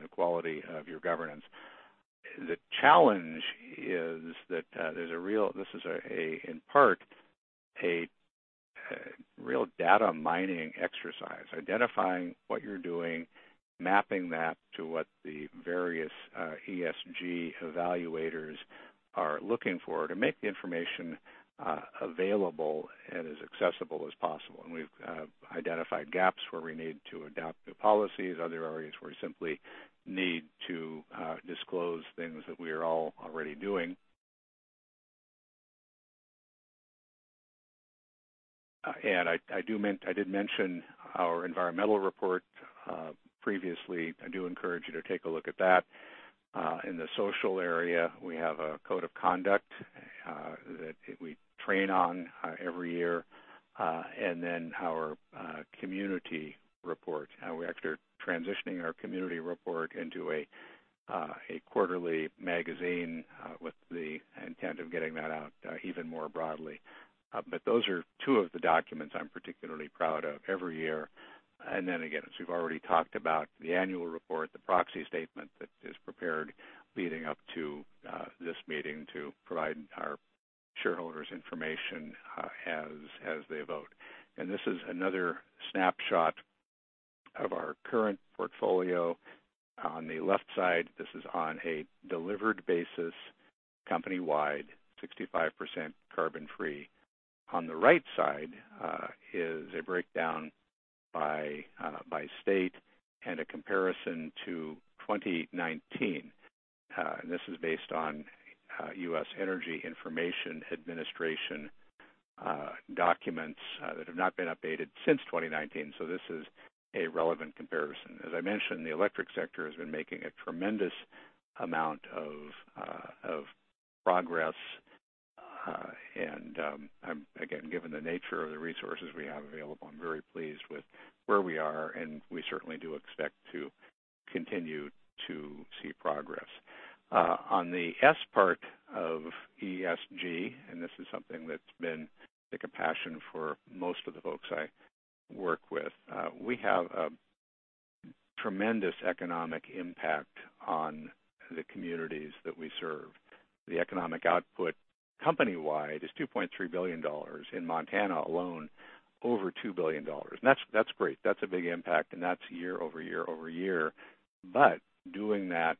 the quality of your governance. The challenge is that this is, in part, a real data mining exercise, identifying what you're doing, mapping that to what the various ESG evaluators are looking for to make the information available and as accessible as possible. We've identified gaps where we need to adapt the policies, other areas where we simply need to disclose things that we are all already doing. I did mention our environmental report previously. I do encourage you to take a look at that. In the social area, we have a Code of Conduct, that we train on every year, and then our community report. We actually are transitioning our community report into a quarterly magazine, with the intent of getting that out even more broadly. Those are two of the documents I'm particularly proud of every year. Then again, as we've already talked about, the annual report, the proxy statement that is prepared leading up to this meeting to provide our shareholders information as they vote. This is another snapshot of our current portfolio. On the left side, this is on a delivered basis, company-wide, 65% carbon-free. On the right side is a breakdown by state and a comparison to 2019. This is based on U.S. Energy Information Administration documents that have not been updated since 2019, so this is a relevant comparison. As I mentioned, the electric sector has been making a tremendous amount of progress. Again, given the nature of the resources we have available, I'm very pleased with where we are, and we certainly do expect to continue to see progress. On the S part of ESG, this is something that's been the compulsion for most of the folks I work with. We have a tremendous economic impact on the communities that we serve. The economic output company-wide is $2.3 billion. In Montana alone, over $2 billion. That's great. That's a big impact, and that's year-over-year. Doing that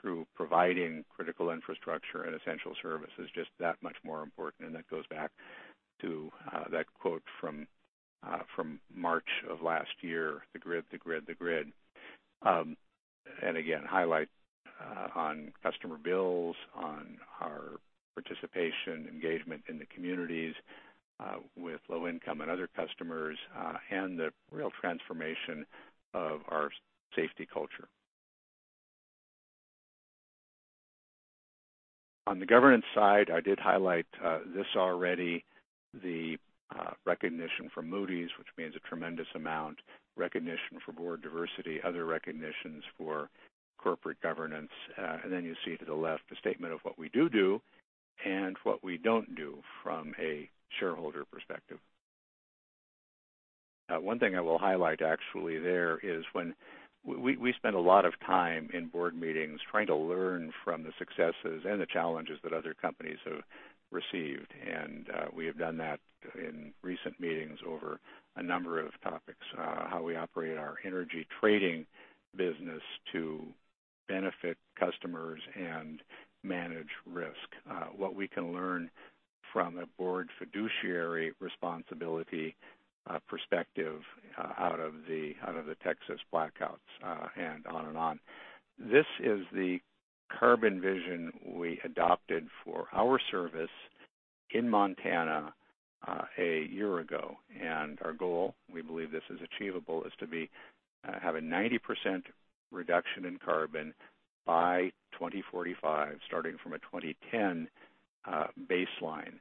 through providing critical infrastructure and essential service is just that much more important, and that goes back to that quote from March of last year, the grid. Again, highlight on customer bills, on our participation, engagement in the communities, with low income and other customers, and the real transformation of our safety culture. On the governance side, I did highlight this already. The recognition from Moody's, which means a tremendous amount, recognition for Board diversity, other recognitions for corporate governance. Then you see to the left, a statement of what we do and what we don't do from a shareholder perspective. One thing I will highlight, actually there, is we spend a lot of time in Board meetings trying to learn from the successes and the challenges that other companies have received. We have done that in recent meetings over a number of topics. How we operate our energy trading business to benefit customers and manage risk. What we can learn from a Board fiduciary responsibility perspective out of the Texas blackouts, on and on. This is the carbon vision we adopted for our service in Montana a year ago. Our goal, we believe this is achievable, is to have a 90% reduction in carbon by 2045, starting from a 2010 baseline.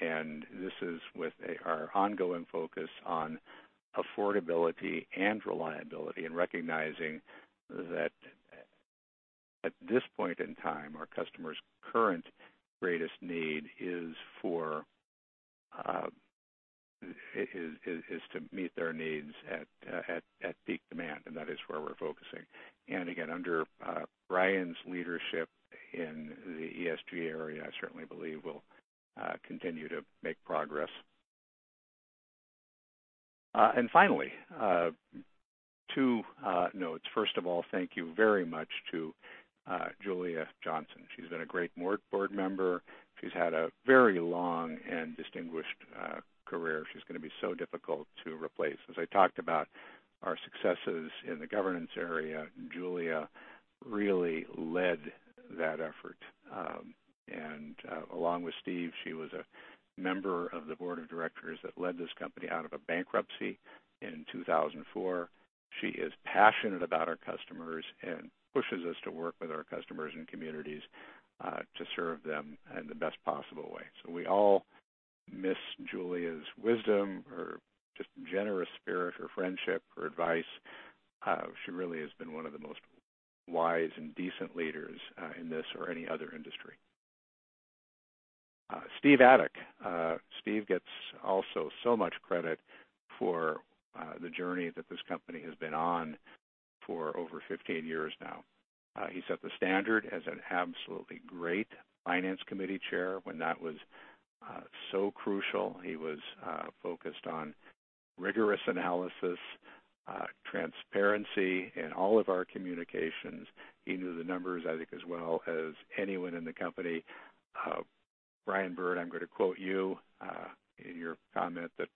This is with our ongoing focus on affordability and reliability, recognizing that at this point in time, our customers' current greatest need is to meet their needs at peak demand, and that is where we're focusing. Again, under Brian's leadership in the ESG area, I certainly believe we'll continue to make progress. Finally, two notes. Thank you very much to Julia Johnson. She's been a great Board member. She's had a very long and distinguished career. She's going to be so difficult to replace. As I talked about our successes in the governance area, Julia really led that effort. Along with Steve, she was a member Board of Directors that led this company out of a bankruptcy in 2004. She is passionate about our customers and pushes us to work with our customers and communities to serve them in the best possible way. We all miss Julia's wisdom, her just generous spirit, her friendship, her advice. She really has been one of the most wise and decent leaders in this or any other industry. Steve Adik. Steve gets also so much credit for the journey that this company has been on for over 15 years now. He set the standard as an absolutely great finance Committee Chair when that was so crucial. He was focused on rigorous analysis, transparency in all of our communications. He knew the numbers, I think, as well as anyone in the company. Brian Bird, I'm going to quote you in your comment that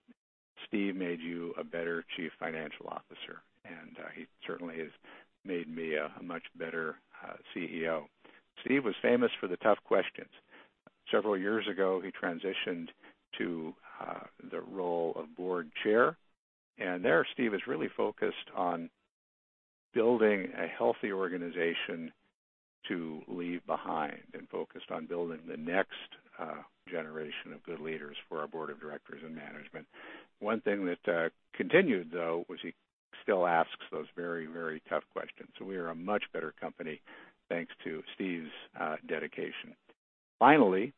Steve made you a better Chief Financial Officer, and he certainly has made me a much better CEO. Steve was famous for the tough questions. Several years ago, he transitioned to the role of Board Chair, and there, Steve is really focused on building a healthy organization to leave behind and focused on building the next generation of good leaders Board of Directors and management. One thing that continued, though, was he still asks those very, very tough questions. We are a much better company thanks to Steve's dedication. Finally,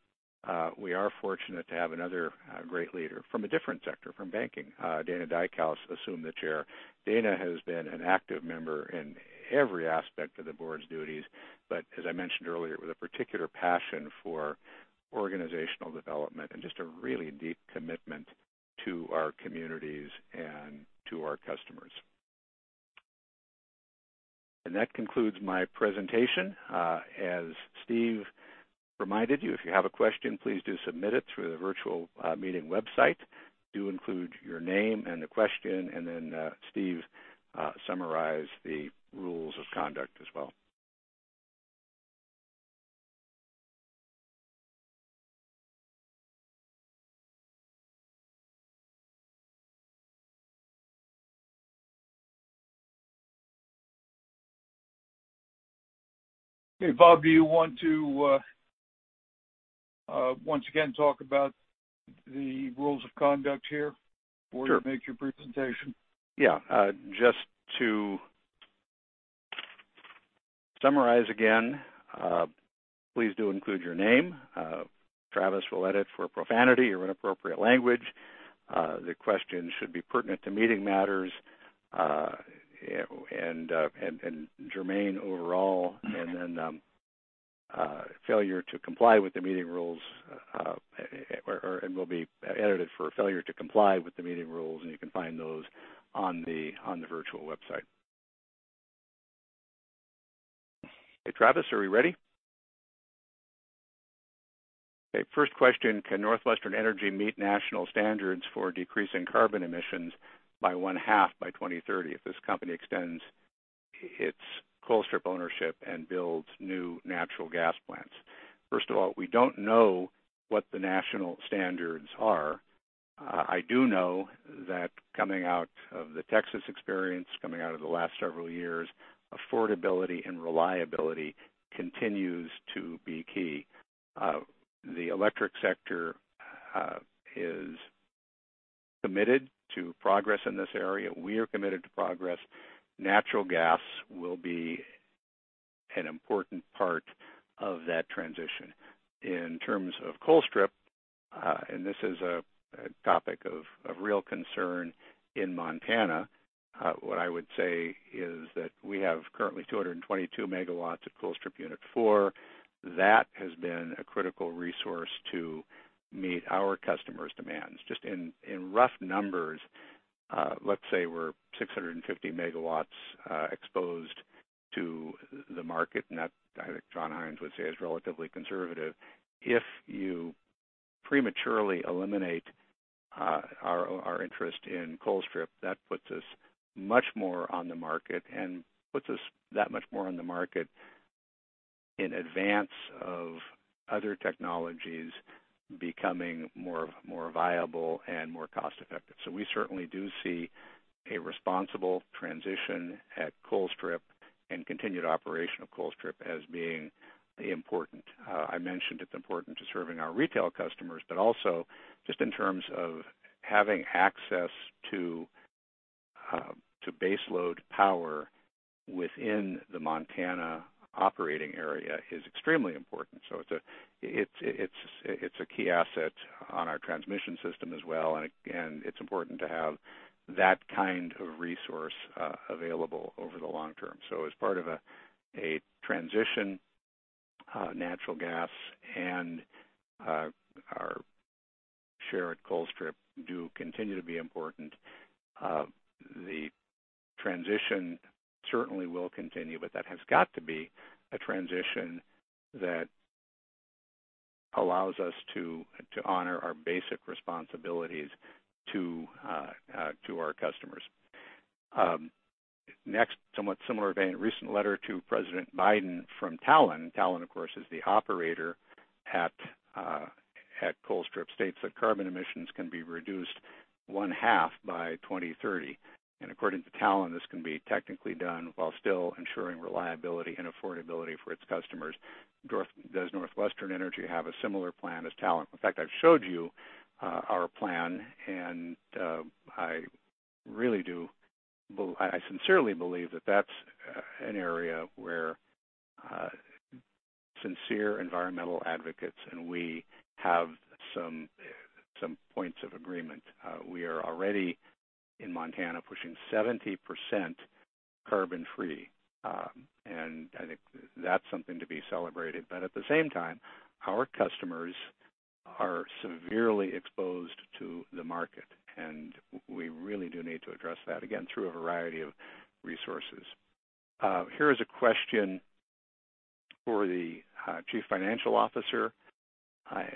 we are fortunate to have another great leader from a different sector, from banking. Dana Dykhouse assumed the Chair. Dana has been an active member in every aspect of the Board's duties, but as I mentioned earlier, with a particular passion for organizational development and just a really deep commitment to our communities and to our customers. That concludes my presentation. As Steve reminded you, if you have a question, please do submit it through the virtual meeting website. Do include your name and the question. Then Steve summarized the rules of conduct as well. Hey, Bob, do you want to, once again, talk about the rules of conduct here? Sure ...before you make your presentation? Just to summarize again, please do include your name. Travis will edit for profanity or inappropriate language. The question should be pertinent to meeting matters, and germane overall. will be edited for failure to comply with the meeting rules, and you can find those on the virtual website. Okay, Travis, are we ready? Okay, first question, "Can NorthWestern Energy meet national standards for decreasing carbon emissions by one half by 2030 if this company extends its Colstrip ownership and builds new natural gas plants?" First of all, we don't know what the national standards are. I do know that coming out of the Texas experience, coming out of the last several years, affordability and reliability continues to be key. The electric sector is committed to progress in this area. We are committed to progress. Natural gas will be an important part of that transition. In terms of Colstrip, and this is a topic of real concern in Montana, what I would say is that we have currently 222 MW at Colstrip Unit 4. That has been a critical resource to meet our customers' demands. Just in rough numbers, let's say we're 650 MW exposed to the market, and that I think John Hines would say is relatively conservative. If you prematurely eliminate our interest in Colstrip, that puts us much more on the market and puts us that much more on the market in advance of other technologies becoming more viable and more cost-effective. We certainly do see a responsible transition at Colstrip and continued operation of Colstrip as being important. I mentioned it's important to serving our retail customers, but also just in terms of having access to baseload power within the Montana operating area is extremely important. It's a key asset on our transmission system as well, and it's important to have that kind of resource available over the long term. As part of a transition, natural gas and our share at Colstrip do continue to be important. The transition certainly will continue, but that has got to be a transition that allows us to honor our basic responsibilities to our customers. Next, somewhat similar vein. Recent letter to President Biden from Talen. Talen, of course, is the operator at Colstrip, states that carbon emissions can be reduced one half by 2030. According to Talen, this can be technically done while still ensuring reliability and affordability for its customers. Does NorthWestern Energy have a similar plan as Talen? In fact, I've showed you our plan, and I sincerely believe that's an area where sincere environmental advocates, and we have some points of agreement. We are already in Montana pushing 70% carbon free, and I think that's something to be celebrated. At the same time, our customers are severely exposed to the market, and we really do need to address that, again, through a variety of resources. Here is a question for the Chief Financial Officer,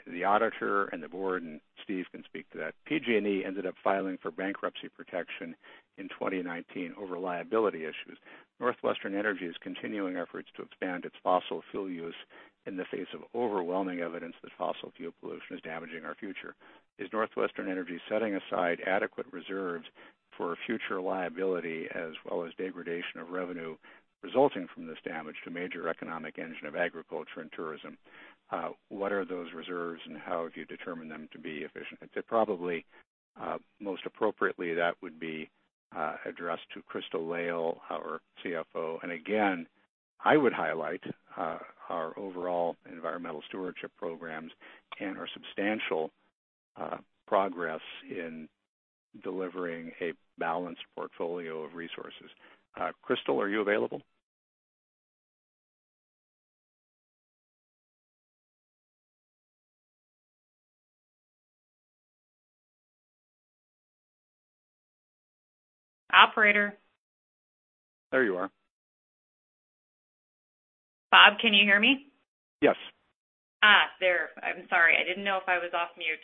the auditor, and the Board, and Steve can speak to that. PG&E ended up filing for bankruptcy protection in 2019 over liability issues. NorthWestern Energy's continuing efforts to expand its fossil fuel use in the face of overwhelming evidence that fossil fuel pollution is damaging our future. Is NorthWestern Energy setting aside adequate reserves for future liability as well as degradation of revenue resulting from this damage to major economic engine of agriculture and tourism? What are those reserves, and how have you determined them to be efficient? Probably, most appropriately, that would be addressed to Crystal Lail, our CFO. Again, I would highlight our overall environmental stewardship programs and our substantial progress in delivering a balanced portfolio of resources. Crystal, are you available? Operator. There you are. Bob, can you hear me? Yes. There. I'm sorry. I didn't know if I was off mute.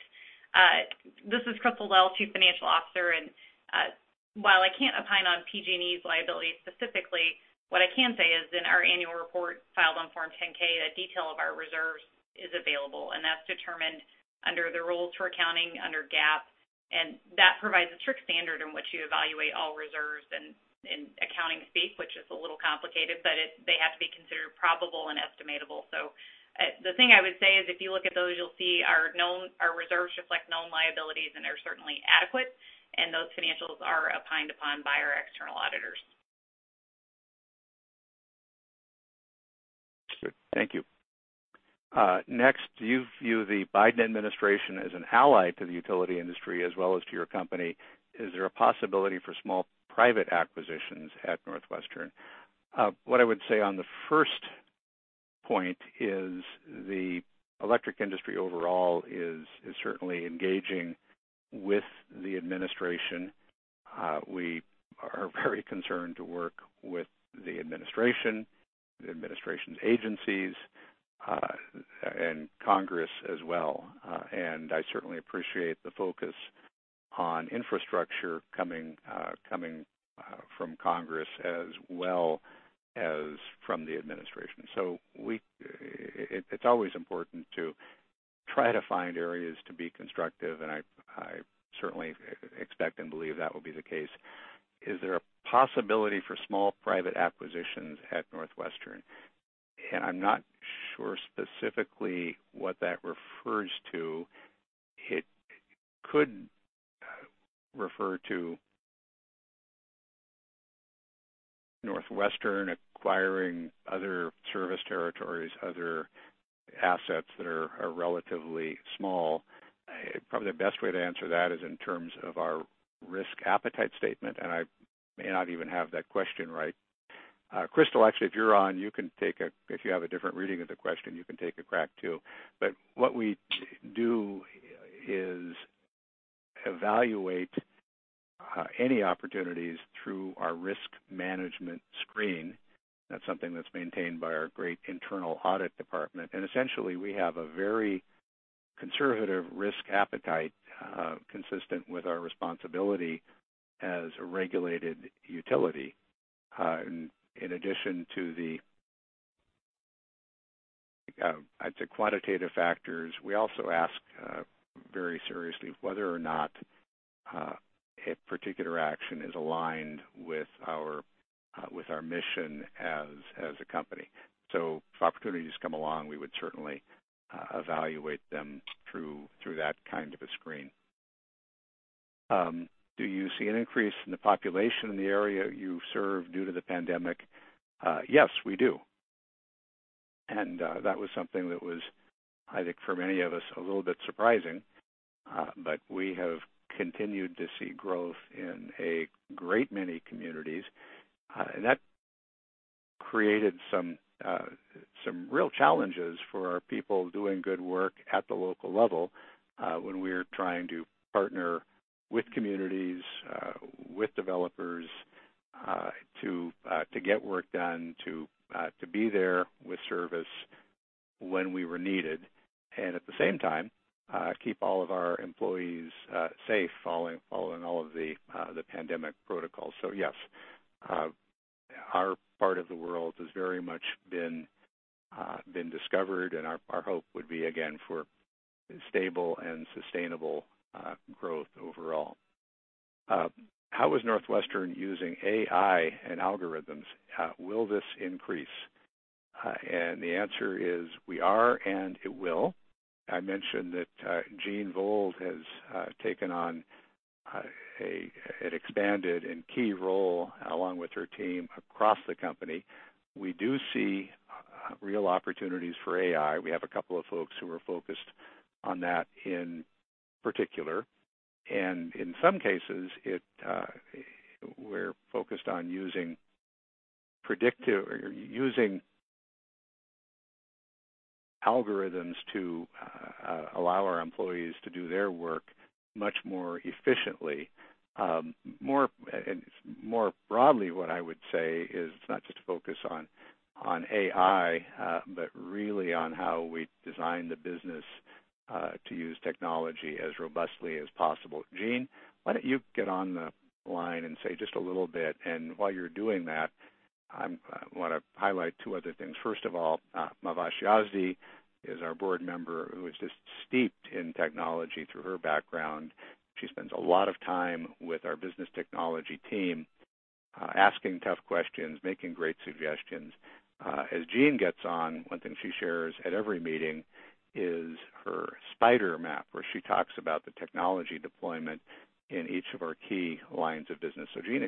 This is Crystal Lail, Chief Financial Officer. While I can't opine on PG&E's liability specifically, what I can say is in our annual report filed on Form 10-K, a detail of our reserves is available, and that's determined under the rules for accounting under GAAP. That provides a strict standard in which you evaluate all reserves in accounting speak, which is a little complicated, but they have to be considered probable and estimatable. The thing I would say is if you look at those, you'll see our reserves reflect known liabilities, and they're certainly adequate, and those financials are opined upon by our external auditors. Thank you. Next, do you view the Biden Administration as an ally to the utility industry as well as to your company? Is there a possibility for small private acquisitions at NorthWestern? What I would say on the first point is the electric industry overall is certainly engaging with the administration. We are very concerned to work with the administration, the administration's agencies, and Congress as well. I certainly appreciate the focus on infrastructure coming from Congress as well as from the administration. It's always important to try to find areas to be constructive, and I certainly expect and believe that will be the case. Is there a possibility for small private acquisitions at NorthWestern? I'm not sure specifically what that refers to. It could refer to NorthWestern acquiring other service territories, other assets that are relatively small. Probably the best way to answer that is in terms of our risk appetite statement. I may not even have that question right. Crystal, actually, if you're on, if you have a different reading of the question, you can take a crack, too. What we do is evaluate any opportunities through our risk management screen. That's something that's maintained by our great internal audit department. Essentially, we have a very conservative risk appetite consistent with our responsibility as a regulated utility. In addition to the quantitative factors, we also ask very seriously whether or not a particular action is aligned with our mission as a company. If opportunities come along, we would certainly evaluate them through that kind of a screen. Do you see an increase in the population in the area you serve due to the pandemic? Yes, we do. That was something that was, I think, for many of us, a little bit surprising. We have continued to see growth in a great many communities. That created some real challenges for our people doing good work at the local level, when we're trying to partner with communities, with developers, to get work done, to be there with service when we were needed. At the same time, keep all of our employees safe following all of the pandemic protocols. Yes, our part of the world has very much been discovered, and our hope would be, again, for stable and sustainable growth overall. How is NorthWestern using AI and algorithms? Will this increase? The answer is, we are, and it will. I mentioned that Jeanne Vold has taken on an expanded and key role along with her team across the company. We do see real opportunities for AI. We have a couple of folks who are focused on that in particular. In some cases, we're focused on using algorithms to allow our employees to do their work much more efficiently. More broadly, what I would say is, it's not just a focus on AI, but really on how we design the business to use technology as robustly as possible. Jeanne, why don't you get on the line and say just a little bit. While you're doing that, I want to highlight two other things. First of all, Mahvash Yazdi is our Board member who is just steeped in technology through her background. She spends a lot of time with our business technology team, asking tough questions, making great suggestions. As Jeanne gets on, one thing she shares at every meeting is her spider map, where she talks about the technology deployment in each of our key lines of business. Jeanne,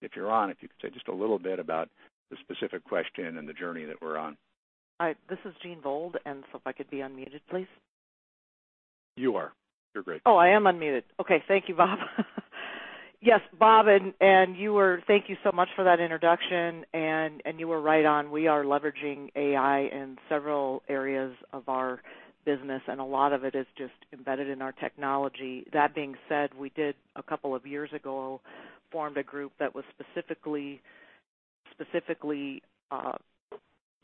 if you're on, if you could say just a little bit about the specific question and the journey that we're on. Hi, this is Jeanne Vold. If I could be unmuted, please. You are. You're great. Oh, I am unmuted. Okay, thank you, Bob. Yes, Bob, thank you so much for that introduction. You were right on. We are leveraging AI in several areas of our business, and a lot of it is just embedded in our technology. That being said, we did, a couple of years ago, formed a group that was specifically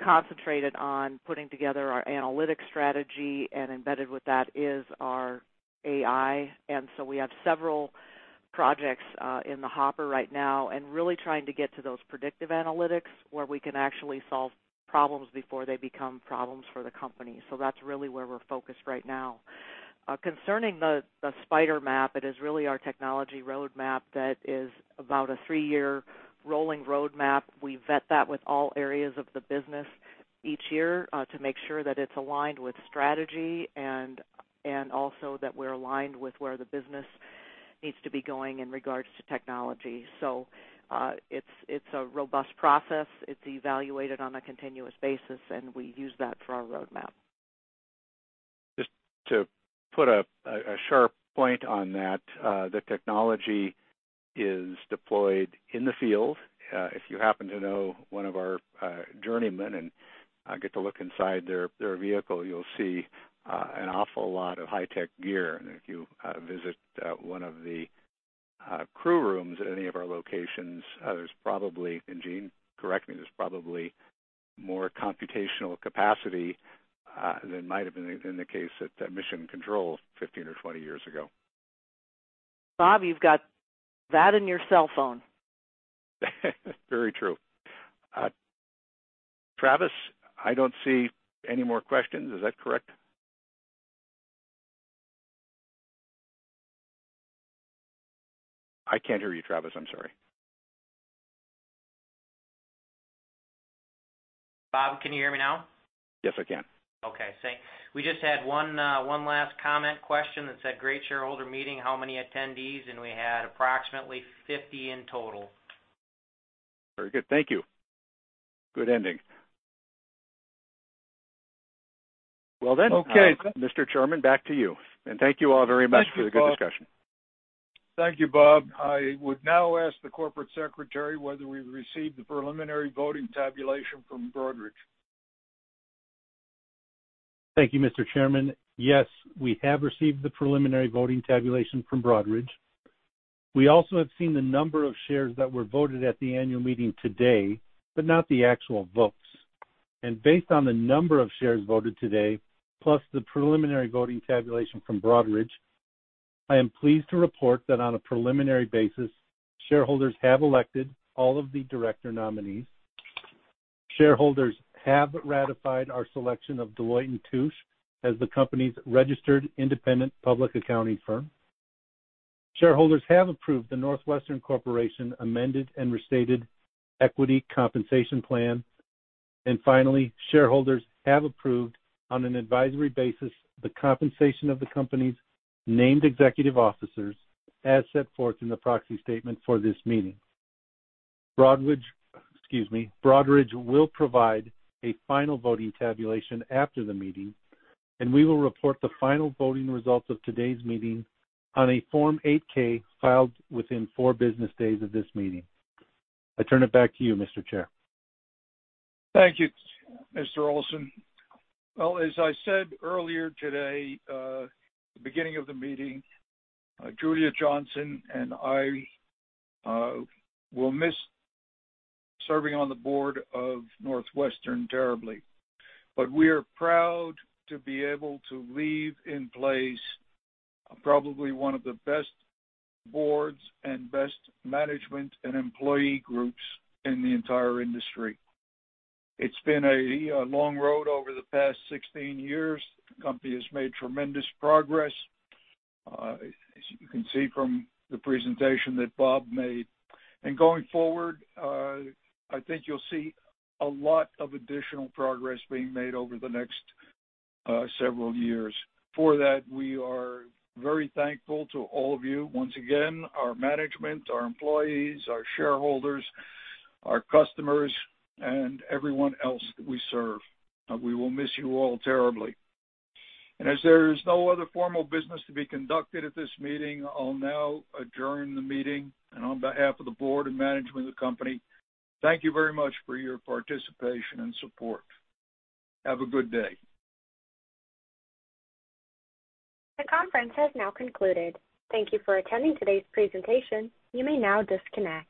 concentrated on putting together our analytics strategy, and embedded with that is our AI. We have several projects in the hopper right now, and really trying to get to those predictive analytics where we can actually solve problems before they become problems for the company. That's really where we're focused right now. Concerning the spider map, it is really our technology roadmap that is about a three-year rolling roadmap. We vet that with all areas of the business each year to make sure that it's aligned with strategy and also that we're aligned with where the business needs to be going in regards to technology. It's a robust process. It's evaluated on a continuous basis, and we use that for our roadmap. Just to put a sharp point on that, the technology is deployed in the field. If you happen to know one of our journeymen and get to look inside their vehicle, you'll see an awful lot of high-tech gear. If you visit one of the crew rooms at any of our locations, there's probably, and Jeanne, correct me, there's probably more computational capacity than might have been the case at mission control 15 or 20 years ago. Bob, you've got that in your cell phone. Very true. Travis, I don't see any more questions. Is that correct? I can't hear you, Travis, I'm sorry. Bob, can you hear me now? Yes, I can. Okay, thanks. We just had one last comment question that said, "Great shareholder meeting. How many attendees?" We had approximately 50 in total. Very good, thank you. Good ending. Okay Mr. Chairman, back to you. Thank you all very much for the good discussion. Thank you, Bob. I would now ask the Corporate Secretary whether we've received the preliminary voting tabulation from Broadridge. Thank you, Mr. Chairman. Yes, we have received the preliminary voting tabulation from Broadridge. We also have seen the number of shares that were voted at the Annual Meeting today, but not the actual votes. Based on the number of shares voted today, plus the preliminary voting tabulation from Broadridge, I am pleased to report that on a preliminary basis, shareholders have elected all of the Director nominees. Shareholders have ratified our selection of Deloitte & Touche as the company's registered independent public accounting firm. Shareholders have approved the NorthWestern Corporation amended and restated equity compensation plan. Finally, shareholders have approved on an advisory basis the compensation of the company's named executive officers as set forth in the proxy statement for this meeting. Broadridge will provide a final voting tabulation after the meeting, and we will report the final voting results of today's meeting on a Form 8-K filed within four business days of this meeting. I turn it back to you, Mr. Chair. Thank you, Mr. Olson. As I said earlier today, the beginning of the meeting, Julia Johnson and I will miss serving on the Board of NorthWestern terribly. We are proud to be able to leave in place probably one of the best Boards and best management and employee groups in the entire industry. It's been a long road over the past 16 years. The company has made tremendous progress, as you can see from the presentation that Bob made. Going forward, I think you'll see a lot of additional progress being made over the next several years. For that, we are very thankful to all of you. Once again, our management, our employees, our shareholders, our customers, and everyone else that we serve. We will miss you all terribly. As there is no other formal business to be conducted at this meeting, I'll now adjourn the meeting. On behalf of the Board and management of the company, thank you very much for your participation and support. Have a good day. The conference has now concluded. Thank you for attending today's presentation. You may now disconnect.